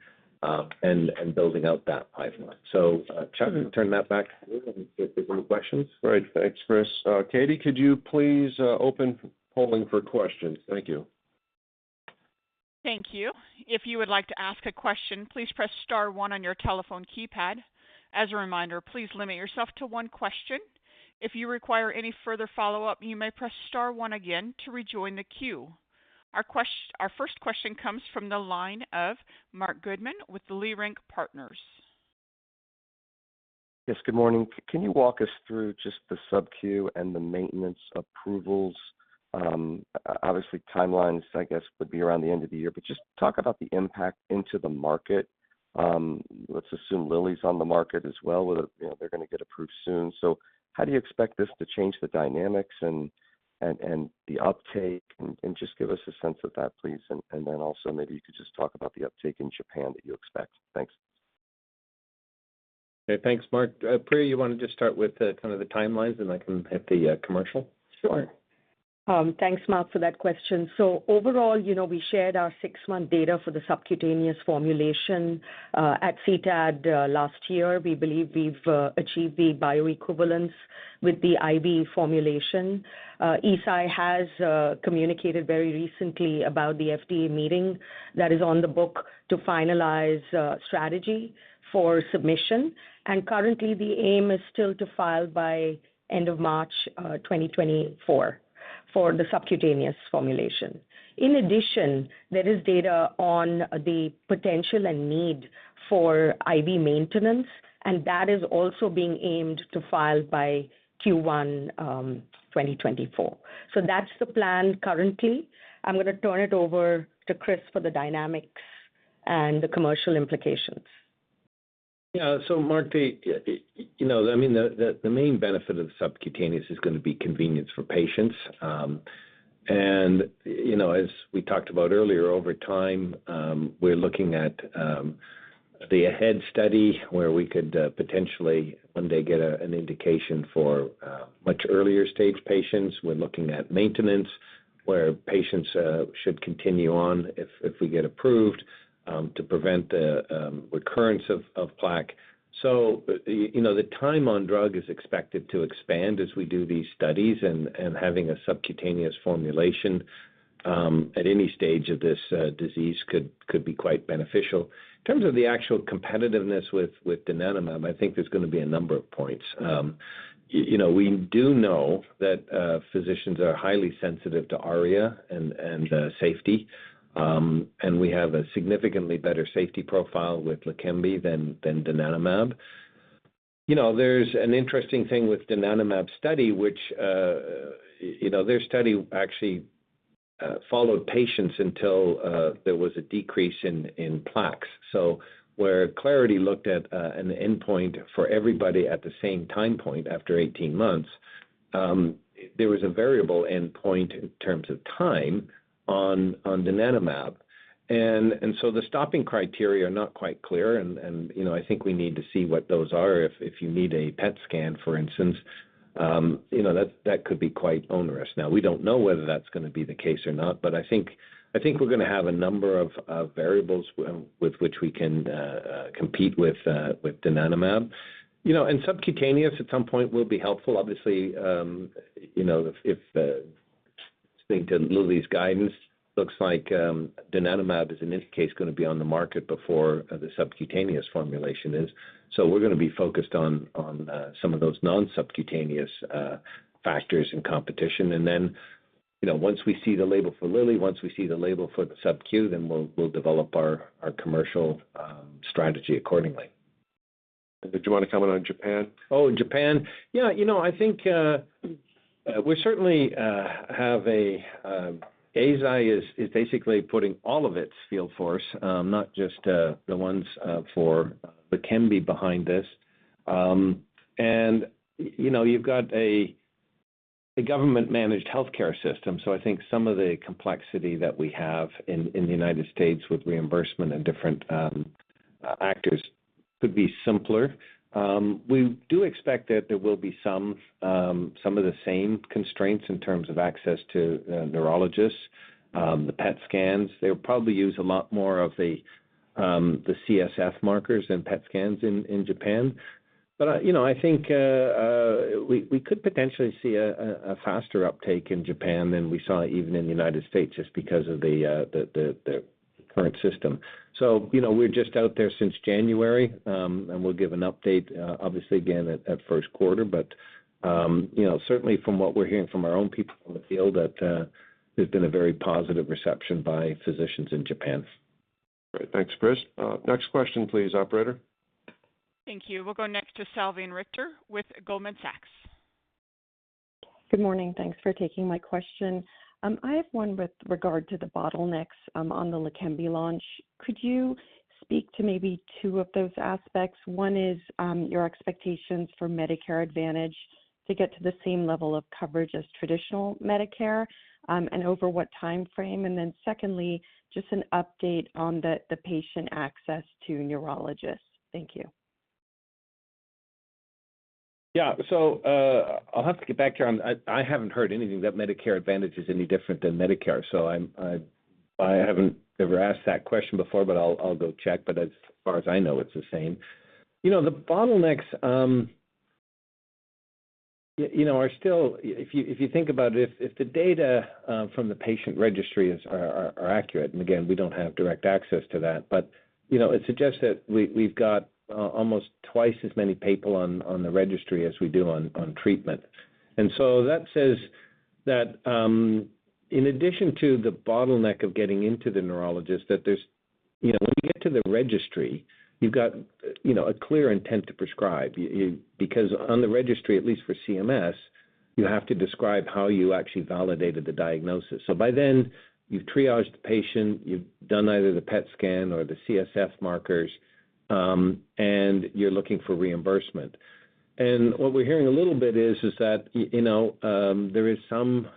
and and building out that pipeline. So, Chuck, turn that back to you and get the questions. Great. Thanks, Chris. Katie, could you please open polling for questions? Thank you. Thank you. If you would like to ask a question, please press star one on your telephone keypad. As a reminder, please limit yourself to one question. If you require any further follow-up, you may press star one again to rejoin the queue. Our first question comes from the line of Marc Goodman with Leerink Partners. Yes, good morning. Can you walk us through just the subcu and the maintenance approvals? Obviously, timelines, I guess, would be around the end of the year, but just talk about the impact into the market. Let's assume Lilly's on the market as well, you know, they're going to get approved soon. So how do you expect this to change the dynamics and the uptake? And just give us a sense of that, please. And then also maybe you could just talk about the uptake in Japan that you expect. Thanks. Okay, thanks, Marc. Priya, you want to just start with kind of the timelines, and I can hit the commercial? Sure. Thanks, Marc, for that question. So overall, you know, we shared our six-month data for the subcutaneous formulation at CTAD last year. We believe we've achieved the bioequivalence with the IV formulation. Eisai has communicated very recently about the FDA meeting that is on the book to finalize strategy for submission. And currently, the aim is still to file by end of March 2024 for the subcutaneous formulation. In addition, there is data on the potential and need for IV maintenance, and that is also being aimed to file by Q1 2024. So that's the plan currently. I'm going to turn it over to Chris for the dynamics and the commercial implications. Yeah, so Marc, you know, I mean, the main benefit of subcutaneous is going to be convenience for patients. And, you know, as we talked about earlier, over time, we're looking at the AHEAD study, where we could potentially one day get an indication for much earlier stage patients. We're looking at maintenance, where patients should continue on if we get approved to prevent the recurrence of plaque. So, you know, the time on drug is expected to expand as we do these studies, and having a subcutaneous formulation at any stage of this disease could be quite beneficial. In terms of the actual competitiveness with donanemab, I think there's going to be a number of points. You know, we do know that physicians are highly sensitive to ARIA and safety, and we have a significantly better safety profile with Leqembi than donanemab. You know, there's an interesting thing with donanemab study, which you know, their study actually followed patients until there was a decrease in plaques. So where Clarity looked at an endpoint for everybody at the same time point after 18 months, there was a variable endpoint in terms of time on donanemab. And so the stopping criteria are not quite clear, and you know, I think we need to see what those are. If you need a PET scan, for instance, you know, that could be quite onerous. Now, we don't know whether that's going to be the case or not, but I think, I think we're going to have a number of variables with which we can compete with donanemab. You know, and subcutaneous at some point will be helpful. Obviously, you know, if speaking to Lilly's guidance, looks like donanemab is, in this case, going to be on the market before the subcutaneous formulation is. So we're going to be focused on some of those non-subcutaneous factors in competition. And then, you know, once we see the label for Lilly, once we see the label for the subcu, then we'll develop our commercial strategy accordingly. Did you want to comment on Japan? Oh, Japan. Yeah, you know, I think we certainly have a, Eisai is basically putting all of its field force, not just the ones for Leqembi behind this. And, you know, you've got a government-managed healthcare system, so I think some of the complexity that we have in the United States with reimbursement and different actors could be simpler. We do expect that there will be some of the same constraints in terms of access to neurologists. The PET scans, they'll probably use a lot more of the CSF markers than PET scans in Japan. But, you know, I think we could potentially see a faster uptake in Japan than we saw even in the United States, just because of the current system. So, you know, we're just out there since January, and we'll give an update, obviously again at first quarter. But, you know, certainly from what we're hearing from our own people in the field, that there's been a very positive reception by physicians in Japan. Great. Thanks, Chris. Next question, please, operator. Thank you. We'll go next to Salveen Richter with Goldman Sachs. Good morning. Thanks for taking my question. I have one with regard to the bottlenecks on the Leqembi launch. Could you speak to maybe two of those aspects? One is your expectations for Medicare Advantage to get to the same level of coverage as traditional Medicare, and over what time frame? And then secondly, just an update on the patient access to neurologists. Thank you. Yeah. So, I'll have to get back to you on, I haven't heard anything that Medicare Advantage is any different than Medicare, so I haven't ever asked that question before, but I'll go check. But as far as I know, it's the same. You know, the bottlenecks, you know, are still, if you think about it, if the data from the patient registries are accurate, and again, we don't have direct access to that, but, you know, it suggests that we've got almost twice as many people on the registry as we do on treatment. And so that says that, in addition to the bottleneck of getting into the neurologist, that there's, you know, when you get to the registry, you've got a clear intent to prescribe. Because on the registry, at least for CMS, you have to describe how you actually validated the diagnosis. So by then, you've triaged the patient, you've done either the PET scan or the CSF markers, and you're looking for reimbursement. And what we're hearing a little bit is that, you know, there is some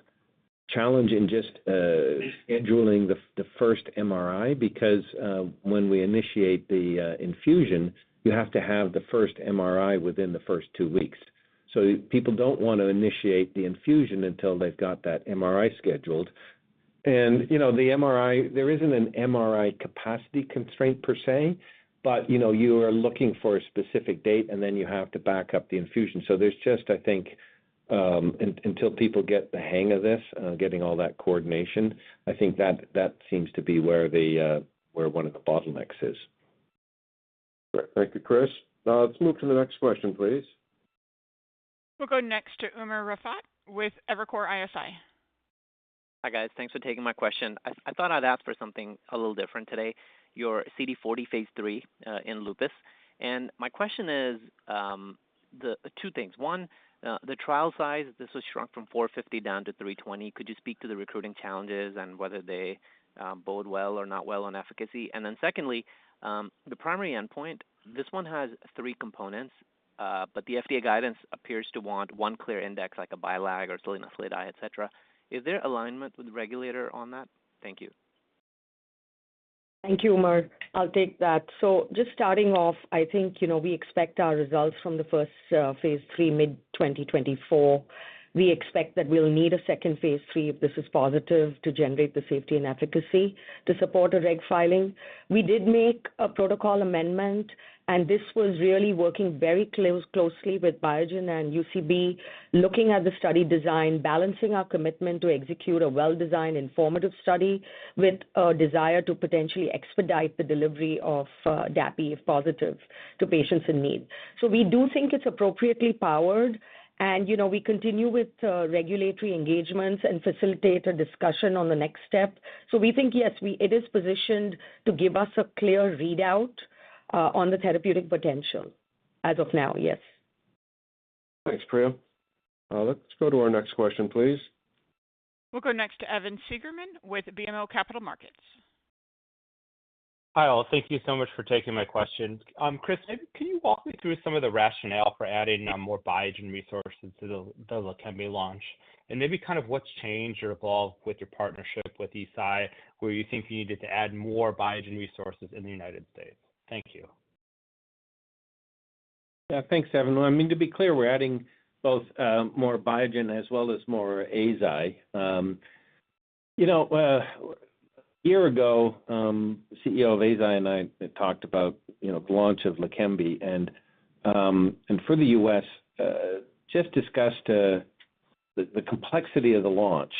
challenge in just scheduling the first MRI, because when we initiate the infusion, you have to have the first MRI within the first two weeks. So people don't want to initiate the infusion until they've got that MRI scheduled. And, you know, the MRI, there isn't an MRI capacity constraint per se, but, you know, you are looking for a specific date, and then you have to back up the infusion. There's just, I think, until people get the hang of this, getting all that coordination, I think that seems to be where one of the bottlenecks is. Great. Thank you, Chris. Let's move to the next question, please. We'll go next to Umer Raffat with Evercore ISI. Hi, guys. Thanks for taking my question. I thought I'd ask for something a little different today, your CD40 phase III in lupus. My question is the two things: one, the trial size, this was shrunk from 450 down to 320. Could you speak to the recruiting challenges and whether they bode well or not well on efficacy? And then secondly, the primary endpoint, this one has three components, but the FDA guidance appears to want one clear index, like a BILAG or SLE disease activity, etc. Is there alignment with the regulator on that? Thank you. Thank you, Umer. I'll take that. So just starting off, I think, you know, we expect our results from the first phase III mid-2024. We expect that we'll need a second phase three, if this is positive, to generate the safety and efficacy to support a reg filing. We did make a protocol amendment, and this was really working very closely with Biogen and UCB, looking at the study design, balancing our commitment to execute a well-designed, informative study with a desire to potentially expedite the delivery of Dapi, if positive, to patients in need. So we do think it's appropriately powered, and, you know, we continue with regulatory engagements and facilitate a discussion on the next step. So we think, yes, it is positioned to give us a clear readout on the therapeutic potential as of now, yes. Thanks, Priya. Let's go to our next question, please. We'll go next to Evan Seigerman with BMO Capital Markets. Hi, all. Thank you so much for taking my question. Chris, maybe can you walk me through some of the rationale for adding, more Biogen resources to the, the Leqembi launch? And maybe kind of what's changed or evolved with your partnership with Eisai, where you think you needed to add more Biogen resources in the United States? Thank you. Yeah, thanks, Evan. Well, I mean, to be clear, we're adding both, more Biogen as well as more Eisai. You know, a year ago, CEO of Eisai and I talked about, you know, the launch of Leqembi, and, and for the U.S., just discussed, the, the complexity of the launch.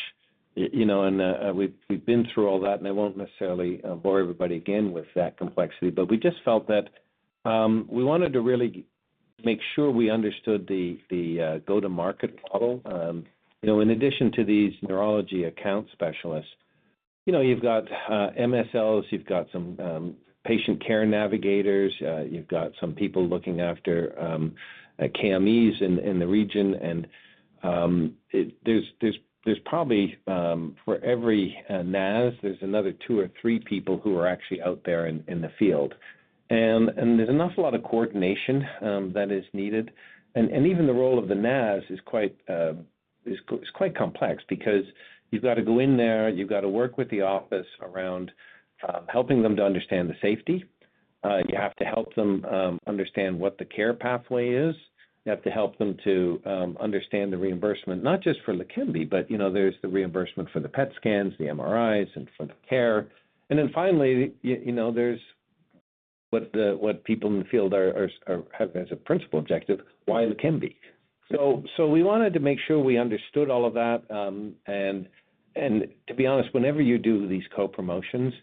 You know, and we've been through all that, and I won't necessarily bore everybody again with that complexity, but we just felt that we wanted to really make sure we understood the go-to-market model. You know, in addition to these neurology account specialists, you know, you've got MSLs, you've got some patient care navigators, you've got some people looking after KMEs in the region, and there's probably for every NAS, there's another two or three people who are actually out there in the field. There's an awful lot of coordination that is needed. Even the role of the NAS is quite complex because you've got to go in there, you've got to work with the office around helping them to understand the safety. You have to help them understand what the care pathway is. You have to help them to understand the reimbursement, not just for Leqembi, but, you know, there's the reimbursement for the PET scans, the MRIs, and for the care. And then finally, you know, there's what people in the field have as a principal objective, why Leqembi? So, we wanted to make sure we understood all of that, and to be honest, whenever you do these co-promotions,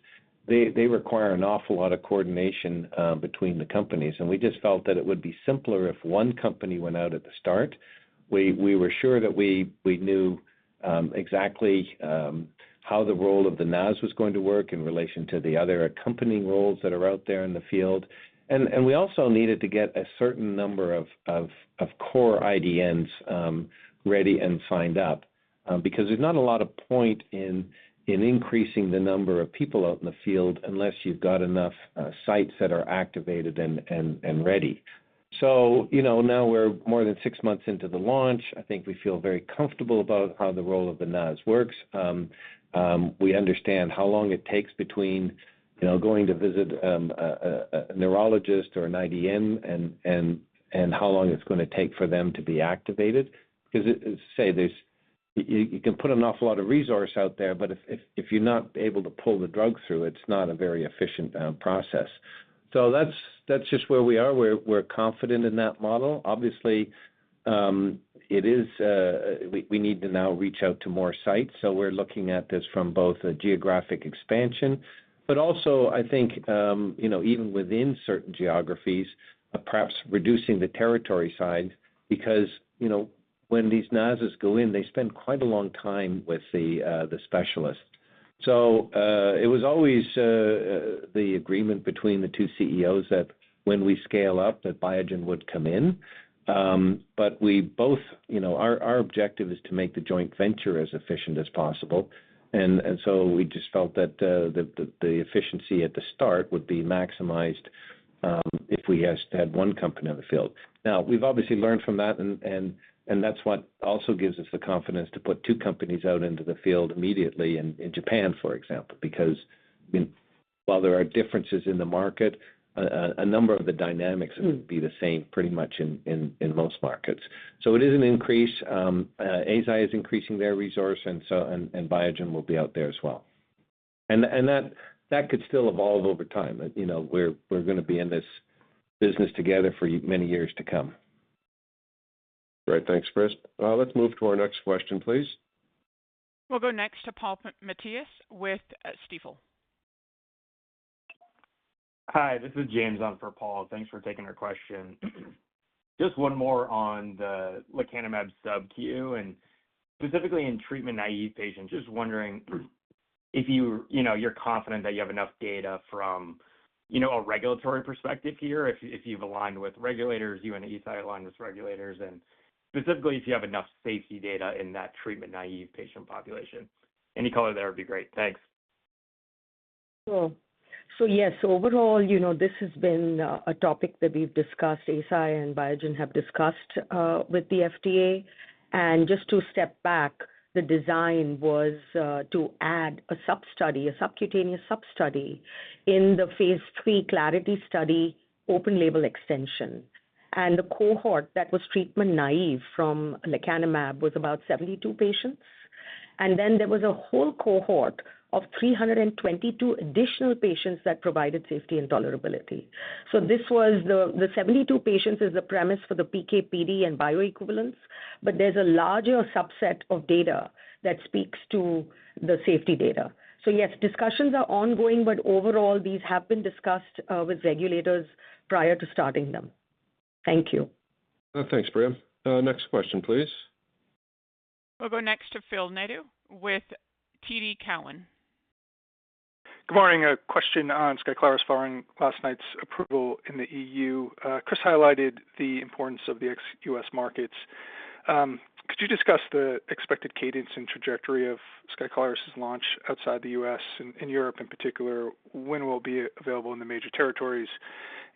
they require an awful lot of coordination between the companies, and we just felt that it would be simpler if one company went out at the start. We were sure that we knew exactly how the role of the NAS was going to work in relation to the other accompanying roles that are out there in the field. And we also needed to get a certain number of core IDNs ready and signed up, because there's not a lot of point in increasing the number of people out in the field unless you've got enough sites that are activated and ready. So, you know, now we're more than six months into the launch. I think we feel very comfortable about how the role of the NAS works. We understand how long it takes between, you know, going to visit a neurologist or an IDN and how long it's gonna take for them to be activated. Because, say, there's you can put an awful lot of resource out there, but if you're not able to pull the drug through, it's not a very efficient process. So that's just where we are. We're confident in that model. Obviously, we need to now reach out to more sites, so we're looking at this from both a geographic expansion, but also I think, you know, even within certain geographies, perhaps reducing the territory size, because, you know, when these NASs go in, they spend quite a long time with the specialist. So, it was always the agreement between the two CEOs that when we scale up, that Biogen would come in. But we both, you know, our objective is to make the joint venture as efficient as possible. And so we just felt that the efficiency at the start would be maximized if we just had one company in the field. Now, we've obviously learned from that and that's what also gives us the confidence to put two companies out into the field immediately in Japan, for example, because, while there are differences in the market, a number of the dynamics. Mm-hmm. Would be the same pretty much in most markets. So it is an increase. Eisai is increasing their resource, and so, and Biogen will be out there as well. And that could still evolve over time. You know, we're gonna be in this business together for many years to come. Great. Thanks, Chris. Let's move to our next question, please. We'll go next to Paul Matteis with Stifel. Hi, this is James on for Paul. Thanks for taking our question. Just one more on the lecanemab subcu, and specifically in treatment-naive patients. Just wondering, if you, you know, you're confident that you have enough data from, you know, a regulatory perspective here, if you, if you've aligned with regulators, you and Eisai aligned with regulators, and specifically, if you have enough safety data in that treatment-naive patient population. Any color there would be great. Thanks. Sure. So yes, overall, you know, this has been a topic that we've discussed, Eisai and Biogen have discussed with the FDA. And just to step back, the design was to add a substudy, a subcutaneous substudy, in the phase III Clarity study, open label extension. And the cohort that was treatment naive from lecanemab was about 72 patients. And then there was a whole cohort of 322 additional patients that provided safety and tolerability. So this was the, the 72 patients is the premise for the PK/PD and bioequivalence, but there's a larger subset of data that speaks to the safety data. So yes, discussions are ongoing, but overall, these have been discussed with regulators prior to starting them. Thank you. Thanks, Priya. Next question, please. We'll go next to Phil Nadeau with TD Cowen. Good morning. A question on Skyclarys following last night's approval in the EU. Chris highlighted the importance of the ex-US markets. Could you discuss the expected cadence and trajectory of Skyclarys's launch outside the U.S. and in Europe in particular? When will it be available in the major territories?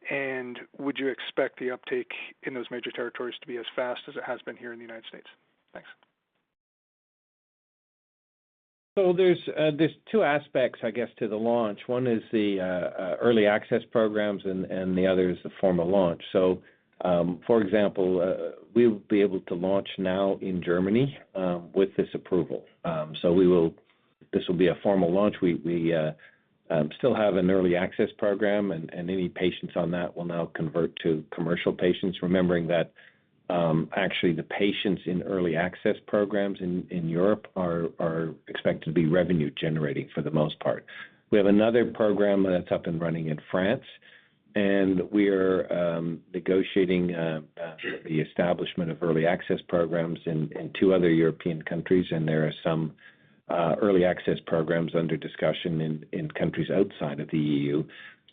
And would you expect the uptake in those major territories to be as fast as it has been here in the United States? Thanks. So there's two aspects, I guess, to the launch. One is the early access programs, and the other is the formal launch. So, for example, we'll be able to launch now in Germany with this approval. So we will—this will be a formal launch. We still have an early access program, and any patients on that will now convert to commercial patients, remembering that, actually the patients in early access programs in Europe are expected to be revenue generating for the most part. We have another program that's up and running in France, and we are negotiating the establishment of early access programs in two other European countries, and there are some early access programs under discussion in countries outside of the EU.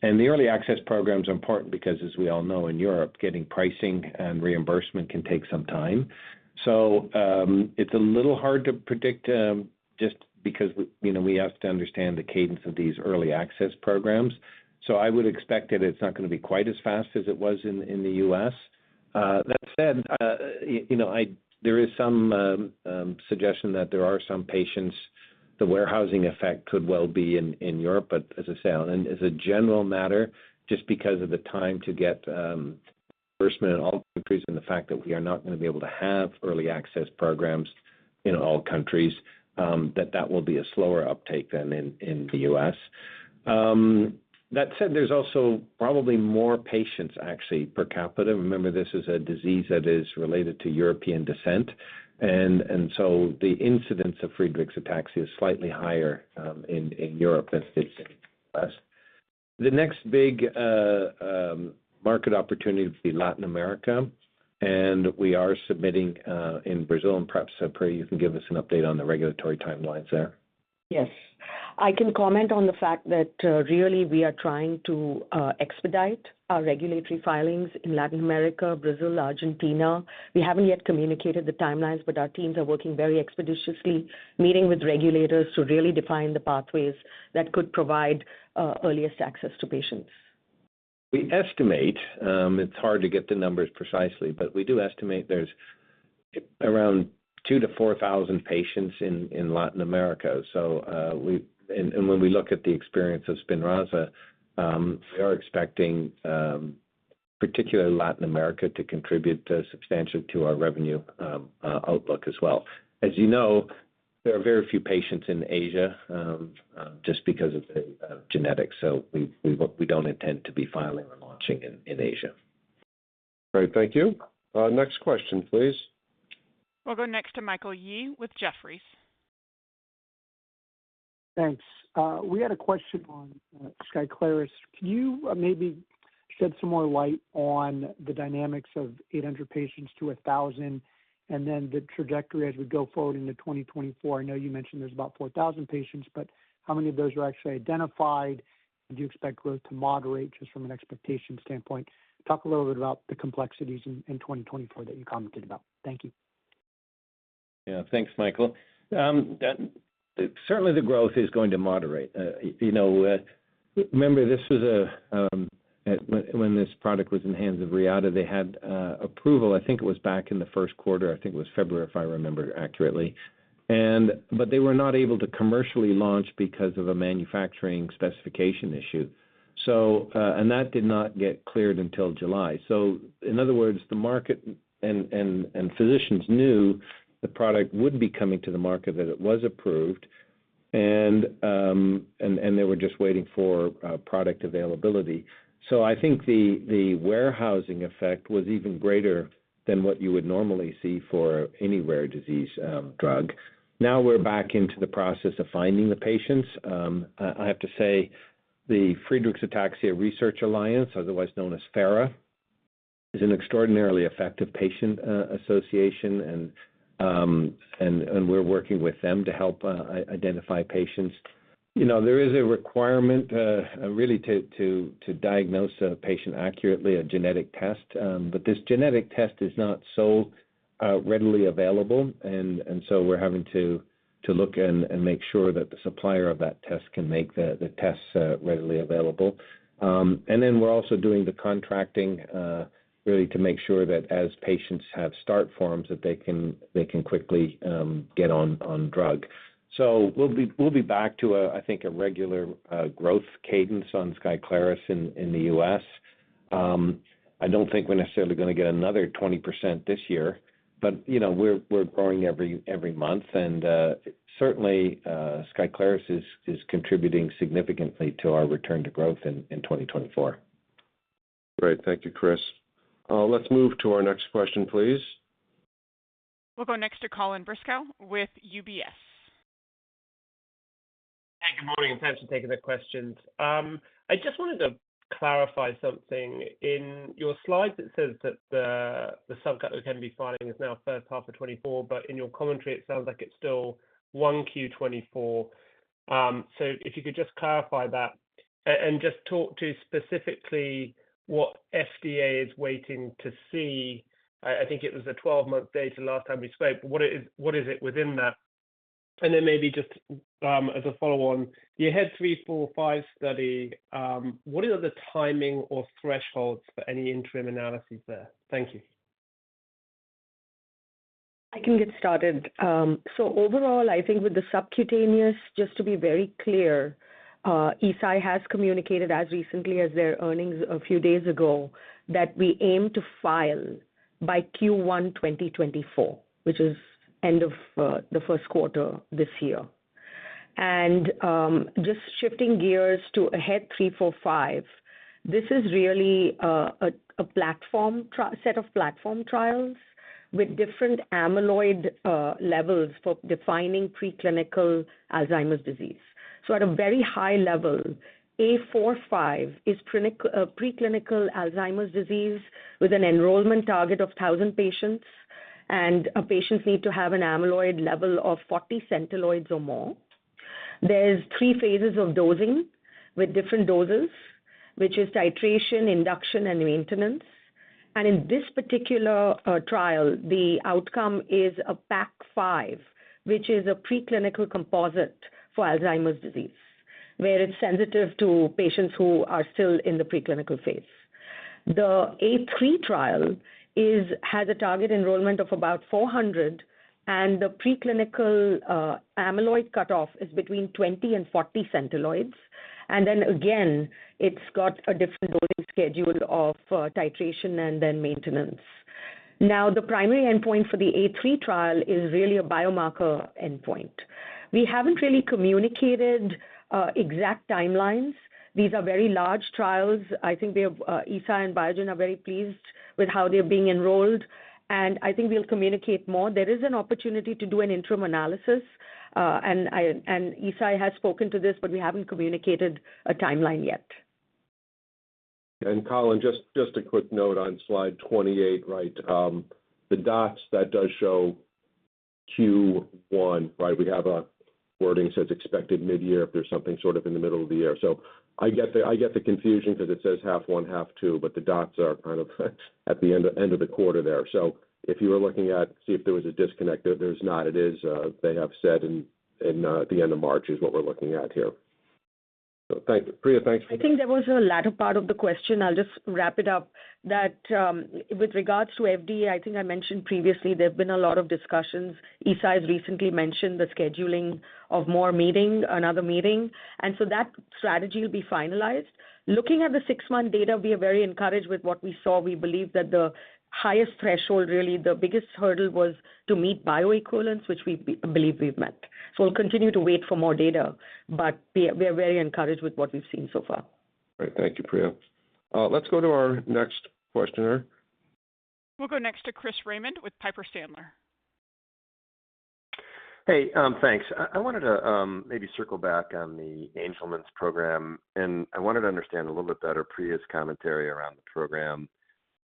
The early access program is important because, as we all know, in Europe, getting pricing and reimbursement can take some time. So, it's a little hard to predict, just because we, you know, we have to understand the cadence of these early access programs. So I would expect that it's not gonna be quite as fast as it was in the U.S. That said, you know, there is some suggestion that there are some patients, the warehousing effect could well be in Europe. But as I say, as a general matter, just because of the time to get reimbursement in all countries and the fact that we are not gonna be able to have early access programs in all countries, that will be a slower uptake than in the U.S. That said, there's also probably more patients actually, per capita. Remember, this is a disease that is related to European descent, and so the incidence of Friedreich's ataxia is slightly higher in Europe than it is in the U.S. The next big market opportunity will be Latin America, and we are submitting in Brazil, and perhaps, Priya, you can give us an update on the regulatory timelines there. Yes. I can comment on the fact that, really we are trying to, expedite our regulatory filings in Latin America, Brazil, Argentina. We haven't yet communicated the timelines, but our teams are working very expeditiously, meeting with regulators to really define the pathways that could provide, earliest access to patients. We estimate, it's hard to get the numbers precisely, but we do estimate there's around 2,000-4,000 patients in Latin America. So, and when we look at the experience of Spinraza, we are expecting, particularly Latin America, to contribute substantially to our revenue outlook as well. As you know, there are very few patients in Asia, just because of the genetics, so we don't intend to be filing or launching in Asia. Great, thank you. Next question, please. We'll go next to Michael Yee with Jefferies. Thanks. We had a question on Skyclarys. Can you maybe shed some more light on the dynamics of 800 patients to 1,000, and then the trajectory as we go forward into 2024? I know you mentioned there's about 4,000 patients, but how many of those are actually identified? Do you expect growth to moderate, just from an expectation standpoint? Talk a little bit about the complexities in 2024 that you commented about. Thank you. Yeah. Thanks, Michael. Certainly the growth is going to moderate. You know, remember, this was a when this product was in the hands of Reata, they had approval. I think it was back in the first quarter. I think it was February, if I remember accurately. But they were not able to commercially launch because of a manufacturing specification issue. So, and that did not get cleared until July. So in other words, the market and physicians knew the product would be coming to the market, that it was approved, and they were just waiting for product availability. So I think the warehousing effect was even greater than what you would normally see for any rare disease drug. Now we're back into the process of finding the patients. I have to say, the Friedreich's Ataxia Research Alliance, otherwise known as FARA, is an extraordinarily effective patient association, and we're working with them to help identify patients. You know, there is a requirement really to diagnose a patient accurately, a genetic test, but this genetic test is not so readily available. And so we're having to look and make sure that the supplier of that test can make the tests readily available. And then we're also doing the contracting really to make sure that as patients have start forms, that they can quickly get on drug. So we'll be back to, I think, a regular growth cadence on Skyclarys in the U.S. I don't think we're necessarily going to get another 20% this year, but, you know, we're growing every month. And certainly Skyclarys is contributing significantly to our return to growth in 2024. Great. Thank you, Chris. Let's move to our next question, please. We'll go next to Colin Bristow with UBS. Hey, good morning, and thanks for taking the questions. I just wanted to clarify something. In your slides, it says that the subcutaneous we're going to be filing is now first half of 2024, but in your commentary, it sounds like it's still Q1 2024. So if you could just clarify that and just talk to specifically what FDA is waiting to see. I think it was 12-month data last time we spoke, but what is it within that? And then maybe just as a follow-on, your AHEAD 3-45 study, what are the timing or thresholds for any interim analyses there? Thank you. I can get started. So overall, I think with the subcutaneous, just to be very clear, Eisai has communicated as recently as their earnings a few days ago, that we aim to file by Q1 2024, which is end of the first quarter this year. Just shifting gears to AHEAD 3-45, this is really a platform trial set of platform trials with different amyloid levels for defining preclinical Alzheimer's disease. So at a very high level, A45 is preclinical Alzheimer's disease with an enrollment target of 1,000 patients, and our patients need to have an amyloid level of 40 centiloids or more. There's three phases of dosing with different doses, which is titration, induction, and maintenance. In this particular trial, the outcome is a PACC5, which is a preclinical composite for Alzheimer's disease, where it's sensitive to patients who are still in the preclinical phase. The AHEAD 3-45 trial has a target enrollment of about 400, and the preclinical amyloid cutoff is between 20-40 centiloids. Then again, it's got a different dosing schedule of titration and then maintenance. Now, the primary endpoint for the AHEAD 3-45 trial is really a biomarker endpoint. We haven't really communicated exact timelines. These are very large trials. I think Eisai and Biogen are very pleased with how they're being enrolled, and I think we'll communicate more. There is an opportunity to do an interim analysis, and Eisai has spoken to this, but we haven't communicated a timeline yet. And Colin, just, just a quick note on slide 28, right? The dots, that does show Q1, right? We have a wording says expected mid-year if there's something sort of in the middle of the year. So I get the, I get the confusion because it says half one, half two, but the dots are kind of at the end of, end of the quarter there. So if you were looking at, see if there was a disconnect, there, there's not. It is, they have said in, in, at the end of March is what we're looking at here. So thank you. Priya, thanks for. I think there was a latter part of the question. I'll just wrap it up, that, with regards to FDA, I think I mentioned previously there have been a lot of discussions. Eisai has recently mentioned the scheduling of more meetings, another meeting, and so that strategy will be finalized. Looking at the six-month data, we are very encouraged with what we saw. We believe that the highest threshold, really, the biggest hurdle was to meet bioequivalence, which we believe we've met. So we'll continue to wait for more data, but we are, we are very encouraged with what we've seen so far. Great. Thank you, Priya. Let's go to our next questioner. We'll go next to Chris Raymond with Piper Sandler. Hey, thanks. I wanted to maybe circle back on the Angelman's program, and I wanted to understand a little bit better Priya's commentary around the program.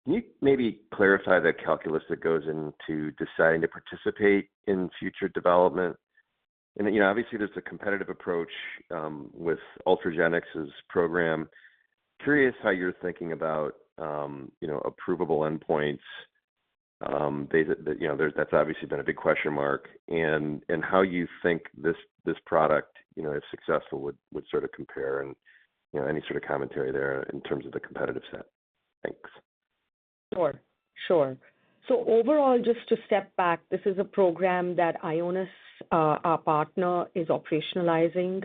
Can you maybe clarify the calculus that goes into deciding to participate in future development? And, you know, obviously, there's a competitive approach with Ultragenyx's program. Curious how you're thinking about, you know, approvable endpoints. You know, there's, that's obviously been a big question mark, and how you think this, this product, you know, if successful, would sort of compare, and, you know, any sort of commentary there in terms of the competitive set? Thanks. Sure. Sure. So overall, just to step back, this is a program that Ionis, our partner, is operationalizing,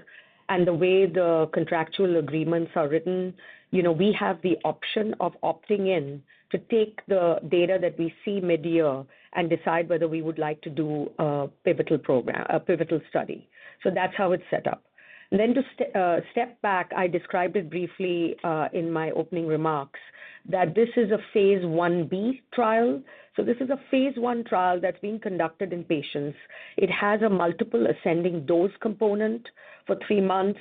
and the way the contractual agreements are written, you know, we have the option of opting in to take the data that we see mid-year and decide whether we would like to do a pivotal program, a pivotal study. So that's how it's set up. And then to step back, I described it briefly in my opening remarks, that this is a phase Ib trial. So this is a phase I trial that's being conducted in patients. It has a multiple ascending dose component for three months,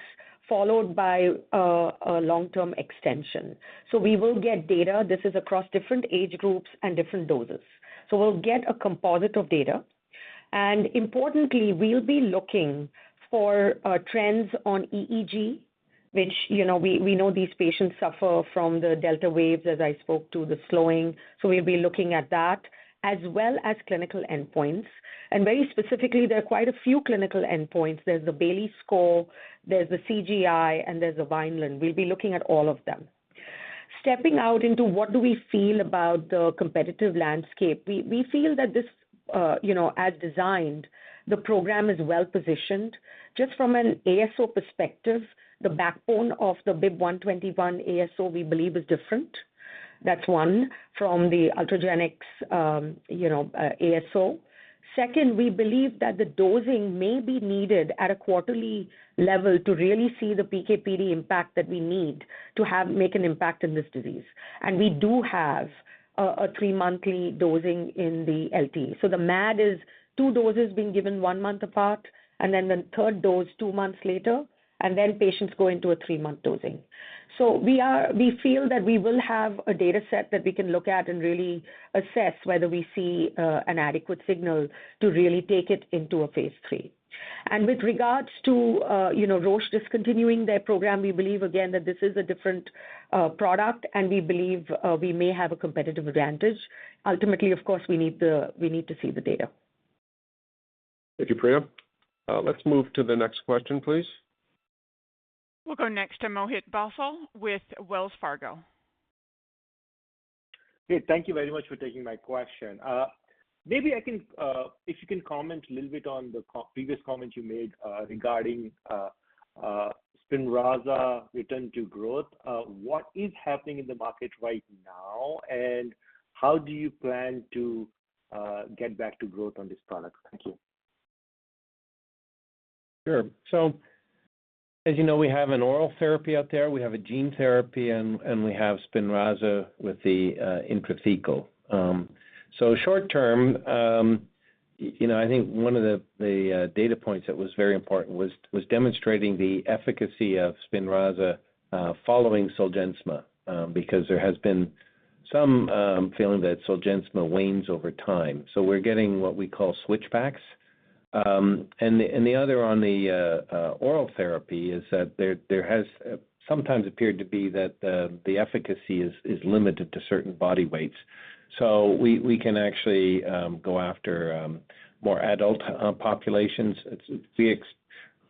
followed by a long-term extension. So we will get data. This is across different age groups and different doses. So we'll get a composite of data, and importantly, we'll be looking for trends on EEG, which, you know, we know these patients suffer from the delta waves, as I spoke to, the slowing. So we'll be looking at that, as well as clinical endpoints. And very specifically, there are quite a few clinical endpoints. There's the Bayley Score, there's the CGI, and there's the Vineland. We'll be looking at all of them. Stepping out into what do we feel about the competitive landscape, we feel that this, you know, as designed, the program is well-positioned. Just from an ASO perspective, the backbone of the BIIB121 ASO, we believe, is different. That's one from the Ultragenyx, you know, ASO. Second, we believe that the dosing may be needed at a quarterly level to really see the PK/PD impact that we need to have, make an impact in this disease. And we do have a three-monthly dosing in the LT. So the MAD is two doses being given one month apart, and then the third dose two months later, and then patients go into a three-month dosing. So we are, we feel that we will have a data set that we can look at and really assess whether we see an adequate signal to really take it into a phase III. And with regards to, you know, Roche discontinuing their program, we believe, again, that this is a different product, and we believe we may have a competitive advantage. Ultimately, of course, we need the, we need to see the data. Thank you, Priya. Let's move to the next question, please. We'll go next to Mohit Bansal with Wells Fargo. Hey, thank you very much for taking my question. Maybe I can, if you can comment a little bit on the previous comments you made, regarding Spinraza return to growth. What is happening in the market right now, and how do you plan to get back to growth on this product? Thank you. Sure. So as you know, we have an oral therapy out there, we have a gene therapy, and we have Spinraza with the intrathecal. So short term, you know, I think one of the data points that was very important was demonstrating the efficacy of Spinraza following Zolgensma, because there has been some feeling that Zolgensma wanes over time. So we're getting what we call switch backs. And the other on the oral therapy is that there has sometimes appeared to be that the efficacy is limited to certain body weights. So we can actually go after more adult populations.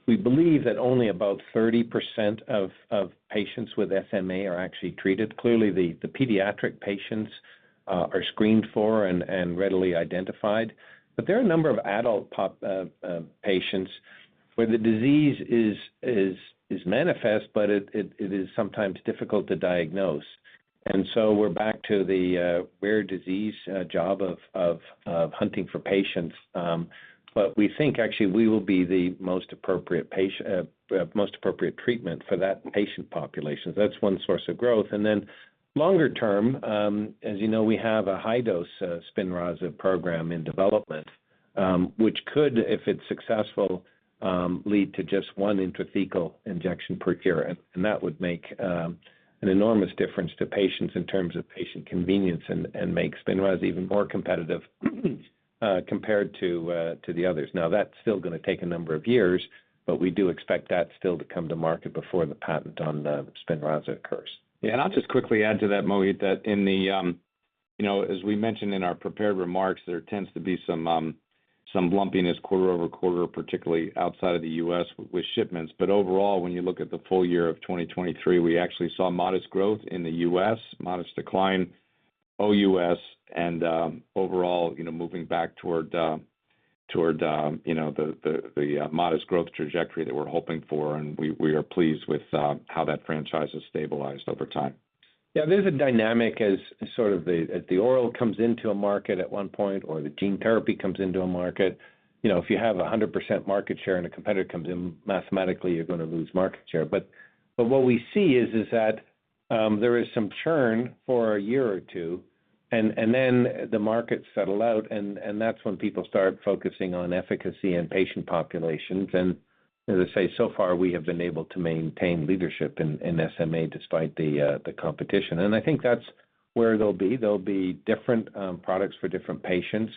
We believe that only about 30% of patients with SMA are actually treated. Clearly, the pediatric patients are screened for and readily identified, but there are a number of adult patients where the disease is manifest, but it is sometimes difficult to diagnose. And so we're back to the rare disease job of hunting for patients. But we think actually we will be the most appropriate treatment for that patient population. So that's one source of growth. And then longer term, as you know, we have a high-dose Spinraza program in development, which could, if it's successful, lead to just one intrathecal injection per cure. And that would make an enormous difference to patients in terms of patient convenience and make Spinraza even more competitive compared to the others. Now, that's still gonna take a number of years, but we do expect that still to come to market before the patent on the Spinraza occurs. Yeah, and I'll just quickly add to that, Mohit, that in the, you know, as we mentioned in our prepared remarks, there tends to be some some lumpiness quarter-over-quarter, particularly outside of the U.S. with shipments. But overall, when you look at the full year of 2023, we actually saw modest growth in the U.S., modest decline OUS, and, overall, you know, moving back toward, toward, you know, the, the, the, modest growth trajectory that we're hoping for, and we, we are pleased with, how that franchise has stabilized over time. Yeah, there's a dynamic as sort of the, as the oral comes into a market at one point or the gene therapy comes into a market. You know, if you have 100% market share and a competitor comes in, mathematically, you're gonna lose market share. But what we see is that there is some churn for a year or two, and then the markets settle out, and that's when people start focusing on efficacy and patient populations. And as I say, so far, we have been able to maintain leadership in SMA despite the competition, and I think that's where they'll be. There'll be different products for different patients,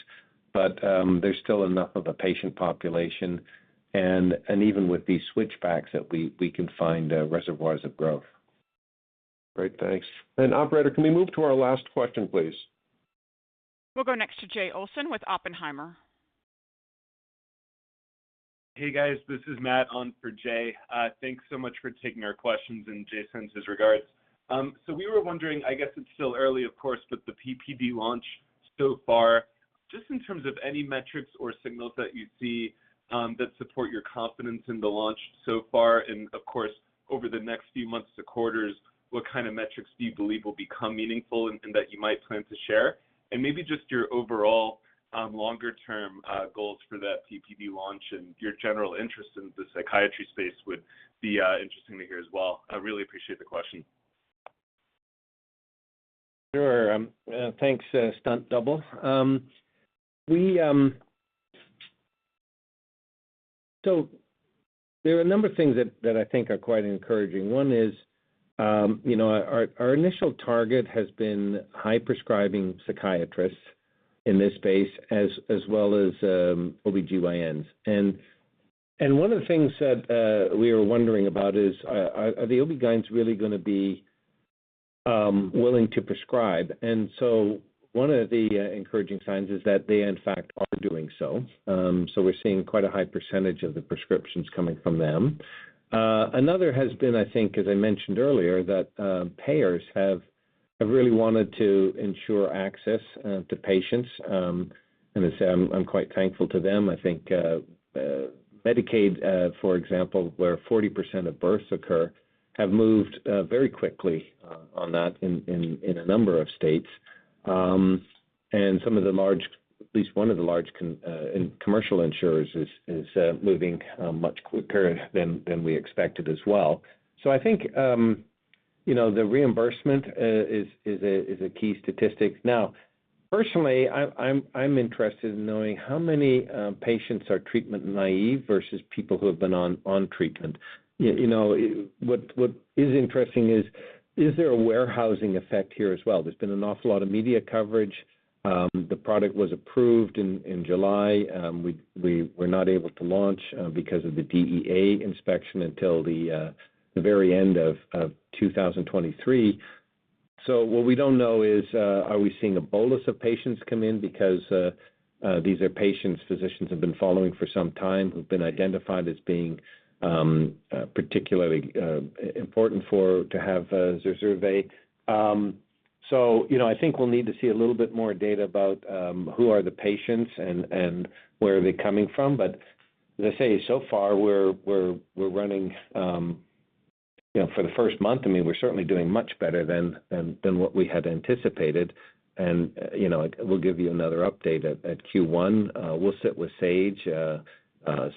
but there's still enough of a patient population, and even with these switchbacks, that we can find reservoirs of growth. Great. Thanks. And Operator, can we move to our last question, please? We'll go next to Jay Olson with Oppenheimer. Hey, guys, this is Matt on for Jay. Thanks so much for taking our questions, and Jay sends his regards. So we were wondering, I guess it's still early, of course, but the PPD launch so far, just in terms of any metrics or signals that you see that support your confidence in the launch so far, and of course, over the next few months to quarters, what kind of metrics do you believe will become meaningful and that you might plan to share? And maybe just your overall longer-term goals for that PPD launch and your general interest in the psychiatry space would be interesting to hear as well. I really appreciate the question. Sure. Thanks, stunt double. So there are a number of things that I think are quite encouraging. One is, you know, our initial target has been high-prescribing psychiatrists in this space, as well as OBGYNs. And one of the things that we were wondering about is, are the OBGYNs really gonna be willing to prescribe? And so one of the encouraging signs is that they, in fact, are doing so. So we're seeing quite a high percentage of the prescriptions coming from them. Another has been, I think, as I mentioned earlier, that payers have really wanted to ensure access to patients. And I say, I'm quite thankful to them. I think, Medicaid, for example, where 40% of births occur, have moved very quickly on that in a number of states. And some of the large—at least one of the large commercial insurers is moving much quicker than we expected as well. So I think, you know, the reimbursement is a key statistic. Now, personally, I'm interested in knowing how many patients are treatment naive versus people who have been on treatment. You know, what is interesting is there a warehousing effect here as well? There's been an awful lot of media coverage. The product was approved in July. We were not able to launch because of the DEA inspection until the very end of 2023. So what we don't know is, are we seeing a bolus of patients come in because these are patients physicians have been following for some time, who've been identified as being particularly important to have Zurzuvae. So, you know, I think we'll need to see a little bit more data about who are the patients and where are they coming from. But as I say, so far, we're running, you know, for the first month, I mean, we're certainly doing much better than what we had anticipated. And, you know, we'll give you another update at Q1. We'll sit with Sage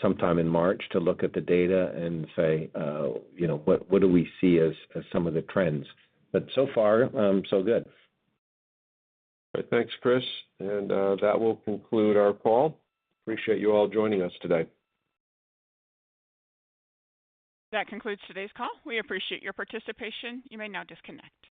sometime in March to look at the data and say, you know, what do we see as some of the trends. But so far, so good. All right. Thanks, Chris, and that will conclude our call. Appreciate you all joining us today. That concludes today's call. We appreciate your participation. You may now disconnect.